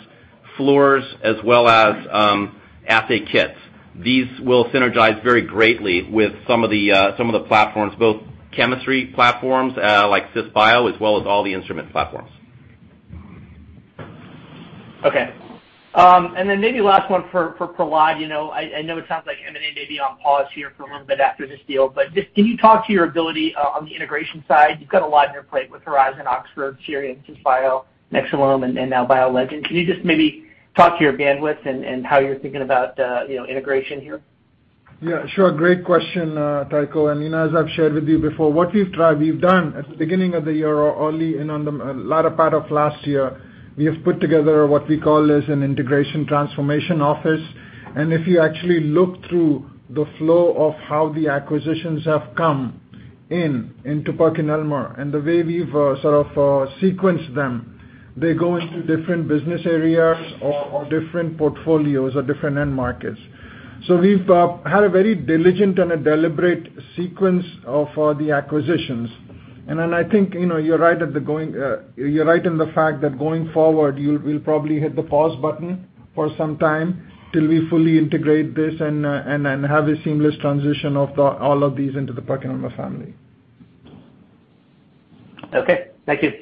fluors, as well as assay kits. These will synergize very greatly with some of the platforms, both chemistry platforms like Cisbio as well as all the instrument platforms. Okay. Maybe last one for Prahlad. I know it sounds like M&A may be on pause here for a little bit after this deal, but just can you talk to your ability on the integration side? You've got a lot on your plate with Horizon, Oxford, SIRION, Cisbio, Nexcelom and now BioLegend. Can you just maybe talk to your bandwidth and how you're thinking about integration here? Yeah, sure. Great question, Tycho. As I've shared with you before, what we've done at the beginning of the year or early and on the latter part of last year, we have put together what we call as an integration transformation office. If you actually look through the flow of how the acquisitions have come in into PerkinElmer and the way we've sort of sequenced them, they go into different business areas or different portfolios or different end markets. We've had a very diligent and a deliberate sequence of the acquisitions. I think, you're right in the fact that going forward, we'll probably hit the pause button for some time till we fully integrate this and have a seamless transition of all of these into the PerkinElmer family. Okay. Thank you.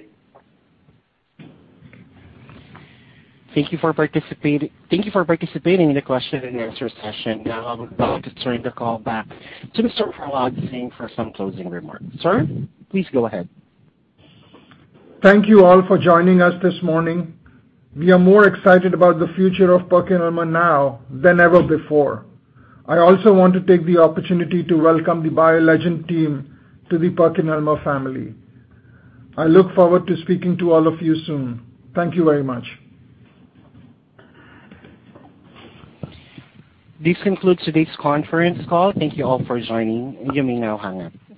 Thank you for participating in the question and answer session. I would like to turn the call back to Mr. Prahlad Singh for some closing remarks. Sir, please go ahead. Thank you all for joining us this morning. We are more excited about the future of PerkinElmer now than ever before. I also want to take the opportunity to welcome the BioLegend team to the PerkinElmer family. I look forward to speaking to all of you soon. Thank you very much. This concludes today's conference call. Thank you all for joining. You may now hang up.